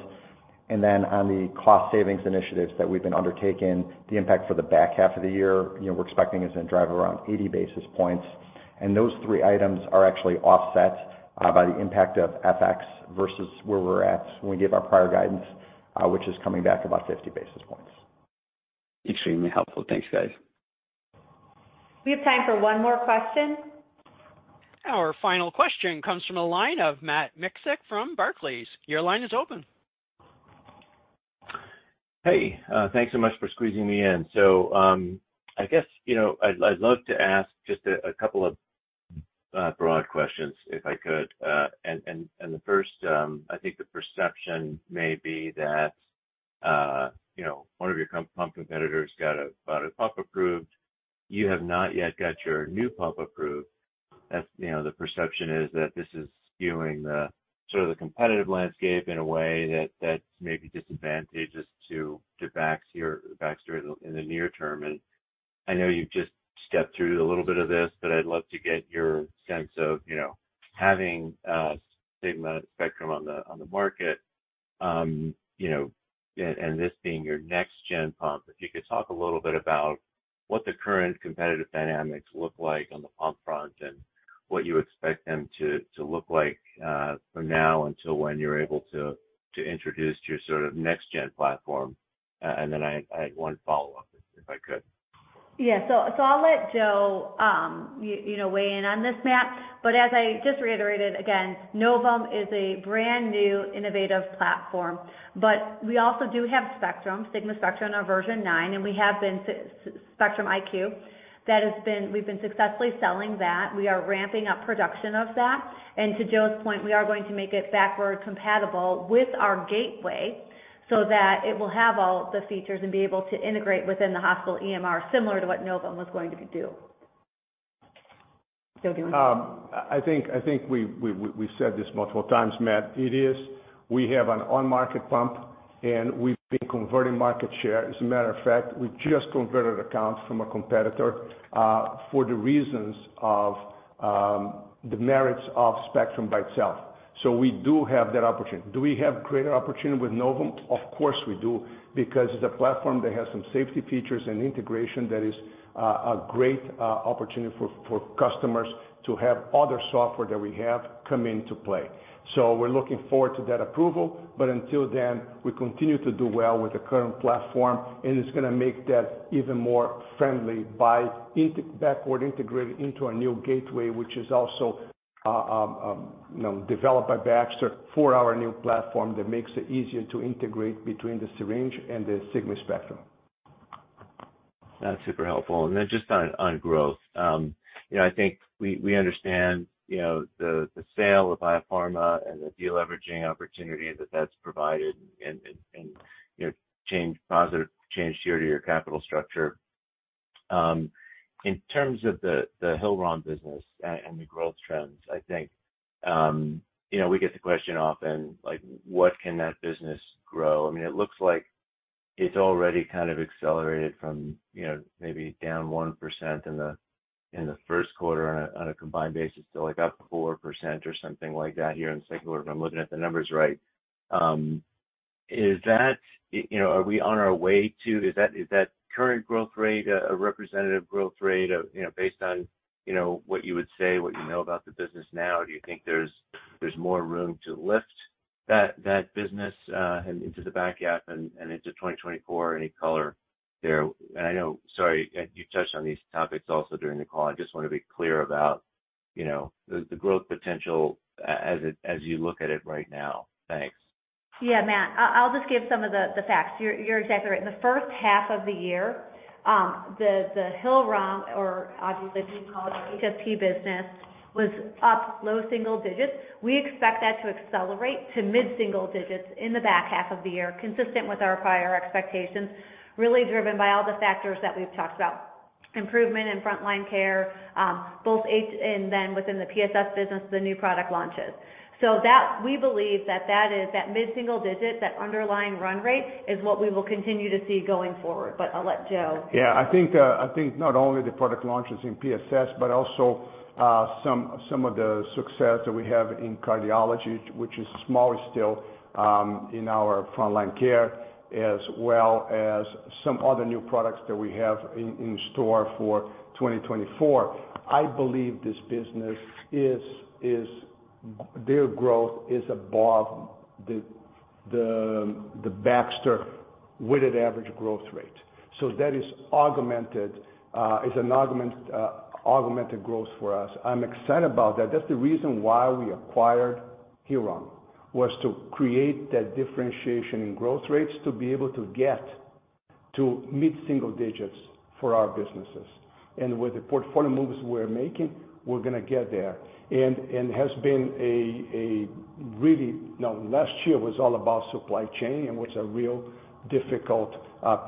On the cost savings initiatives that we've been undertaking, the impact for the back half of the year, you know, we're expecting is gonna drive around 80 basis points. Those three items are actually offset by the impact of FX versus where we're at when we gave our prior guidance, which is coming back about 50 basis points. Extremely helpful. Thanks, guys. We have time for one more question. Our final question comes from the line of Matt Miksic from Barclays. Your line is open. Hey, thanks so much for squeezing me in. I guess, you know, I'd love to ask just a couple of broad questions, if I could. The first, I think the perception may be that, you know, one of your pump competitors got a pump approved. You have not yet got your new pump approved. As, you know, the perception is that this is skewing the sort of the competitive landscape in a way that's maybe disadvantageous to BAX or Baxter in the near term. I know you've just stepped through a little bit of this, but I'd love to get your sense of, you know, having Sigma Spectrum on the market. you know, and this being your next gen pump, if you could talk a little bit about what the current competitive dynamics look like on the pump front, and what you expect them to look like from now until when you're able to introduce your sort of next gen platform. I had one follow-up, if I could. Yeah. So, I'll let Joe, you know, weigh in on this, Matt. As I just reiterated again, Novum is a brand-new, innovative platform. We also do have Spectrum, Sigma Spectrum, in our version nine, and we've been successfully selling that Spectrum IQ. We are ramping up production of that. To Joe's point, we are going to make it backward-compatible with our gateway, so that it will have all the features and be able to integrate within the hospital EMR, similar to what Novum was going to do. Joe, do you want to? I think we've said this multiple times, Matt. It is, we have an on-market pump, and we've been converting market share. As a matter of fact, we just converted accounts from a competitor for the reasons of the merits of Spectrum by itself. We do have that opportunity. Do we have greater opportunity with Novum? Of course, we do, because it's a platform that has some safety features and integration that is a great opportunity for customers to have other software that we have come into play. We're looking forward to that approval, but until then, we continue to do well with the current platform, and it's gonna make that even more friendly by backward integrated into our new gateway, which is also, you know, developed by Baxter for our new platform that makes it easier to integrate between the syringe and the Sigma Spectrum. That's super helpful. Just on, on growth. you know, I think we, we understand, you know, the sale of BioPharma and the deleveraging opportunity that that's provided and, you know, change, positive change year to your capital structure. In terms of the Hillrom business and the growth trends, I think, you know, we get the question often, like, what can that business grow? I mean, it looks like it's already kind of accelerated from, you know, maybe down 1% in the first quarter on a combined basis to, like, up 4% or something like that here in the second quarter, if I'm looking at the numbers right. Is that, you know, are we on our way to is that current growth rate a representative growth rate of, you know, based on, you know, what you would say, what you know about the business now? Do you think there's more room to lift that business into the back half and into 2024? Any color there? I know, sorry, you touched on these topics also during the call. I just wanna be clear about, you know, the growth potential as it as you look at it right now. Thanks. Yeah, Matt, I'll just give some of the facts. You're exactly right. In the first half of the year, the Hillrom, or obviously we call it our HST business, was up low single digits. We expect that to accelerate to mid-single digits in the back half of the year, consistent with our prior expectations, really driven by all the factors that we've talked about. Improvement in Front Line Care, both and then within the PSS business, the new product launches. We believe that that is, that mid-single digit, that underlying run rate, is what we will continue to see going forward. I'll let Joe. Yeah, I think not only the product launches in PSS, but also, some of the success that we have in cardiology, which is smaller still, in our Front Line Care, as well as some other new products that we have in store for 2024. I believe this business is, their growth is above the Baxter weighted average growth rate. That is augmented, it's an augmented growth for us. I'm excited about that. That's the reason why we acquired Hillrom, was to create that differentiation in growth rates, to be able to get to mid-single digits for our businesses. With the portfolio moves we're making, we're gonna get there. Has been a really. Now, last year was all about supply chain, and was a real difficult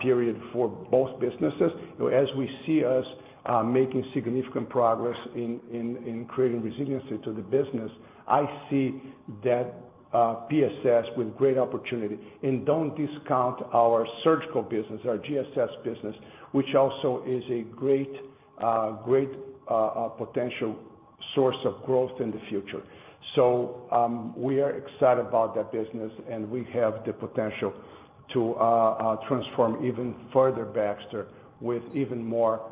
period for both businesses. As we see us making significant progress in creating resiliency to the business, I see that PSS with great opportunity. Don't discount our surgical business, our GSS business, which also is a great potential source of growth in the future. We are excited about that business, and we have the potential to transform even further Baxter with even more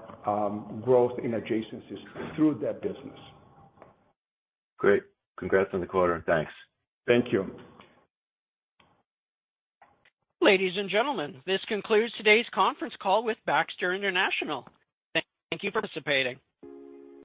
growth in adjacencies through that business. Great. Congrats on the quarter. Thanks. Thank you. Ladies and gentlemen, this concludes today's conference call with Baxter International. Thank you for participating.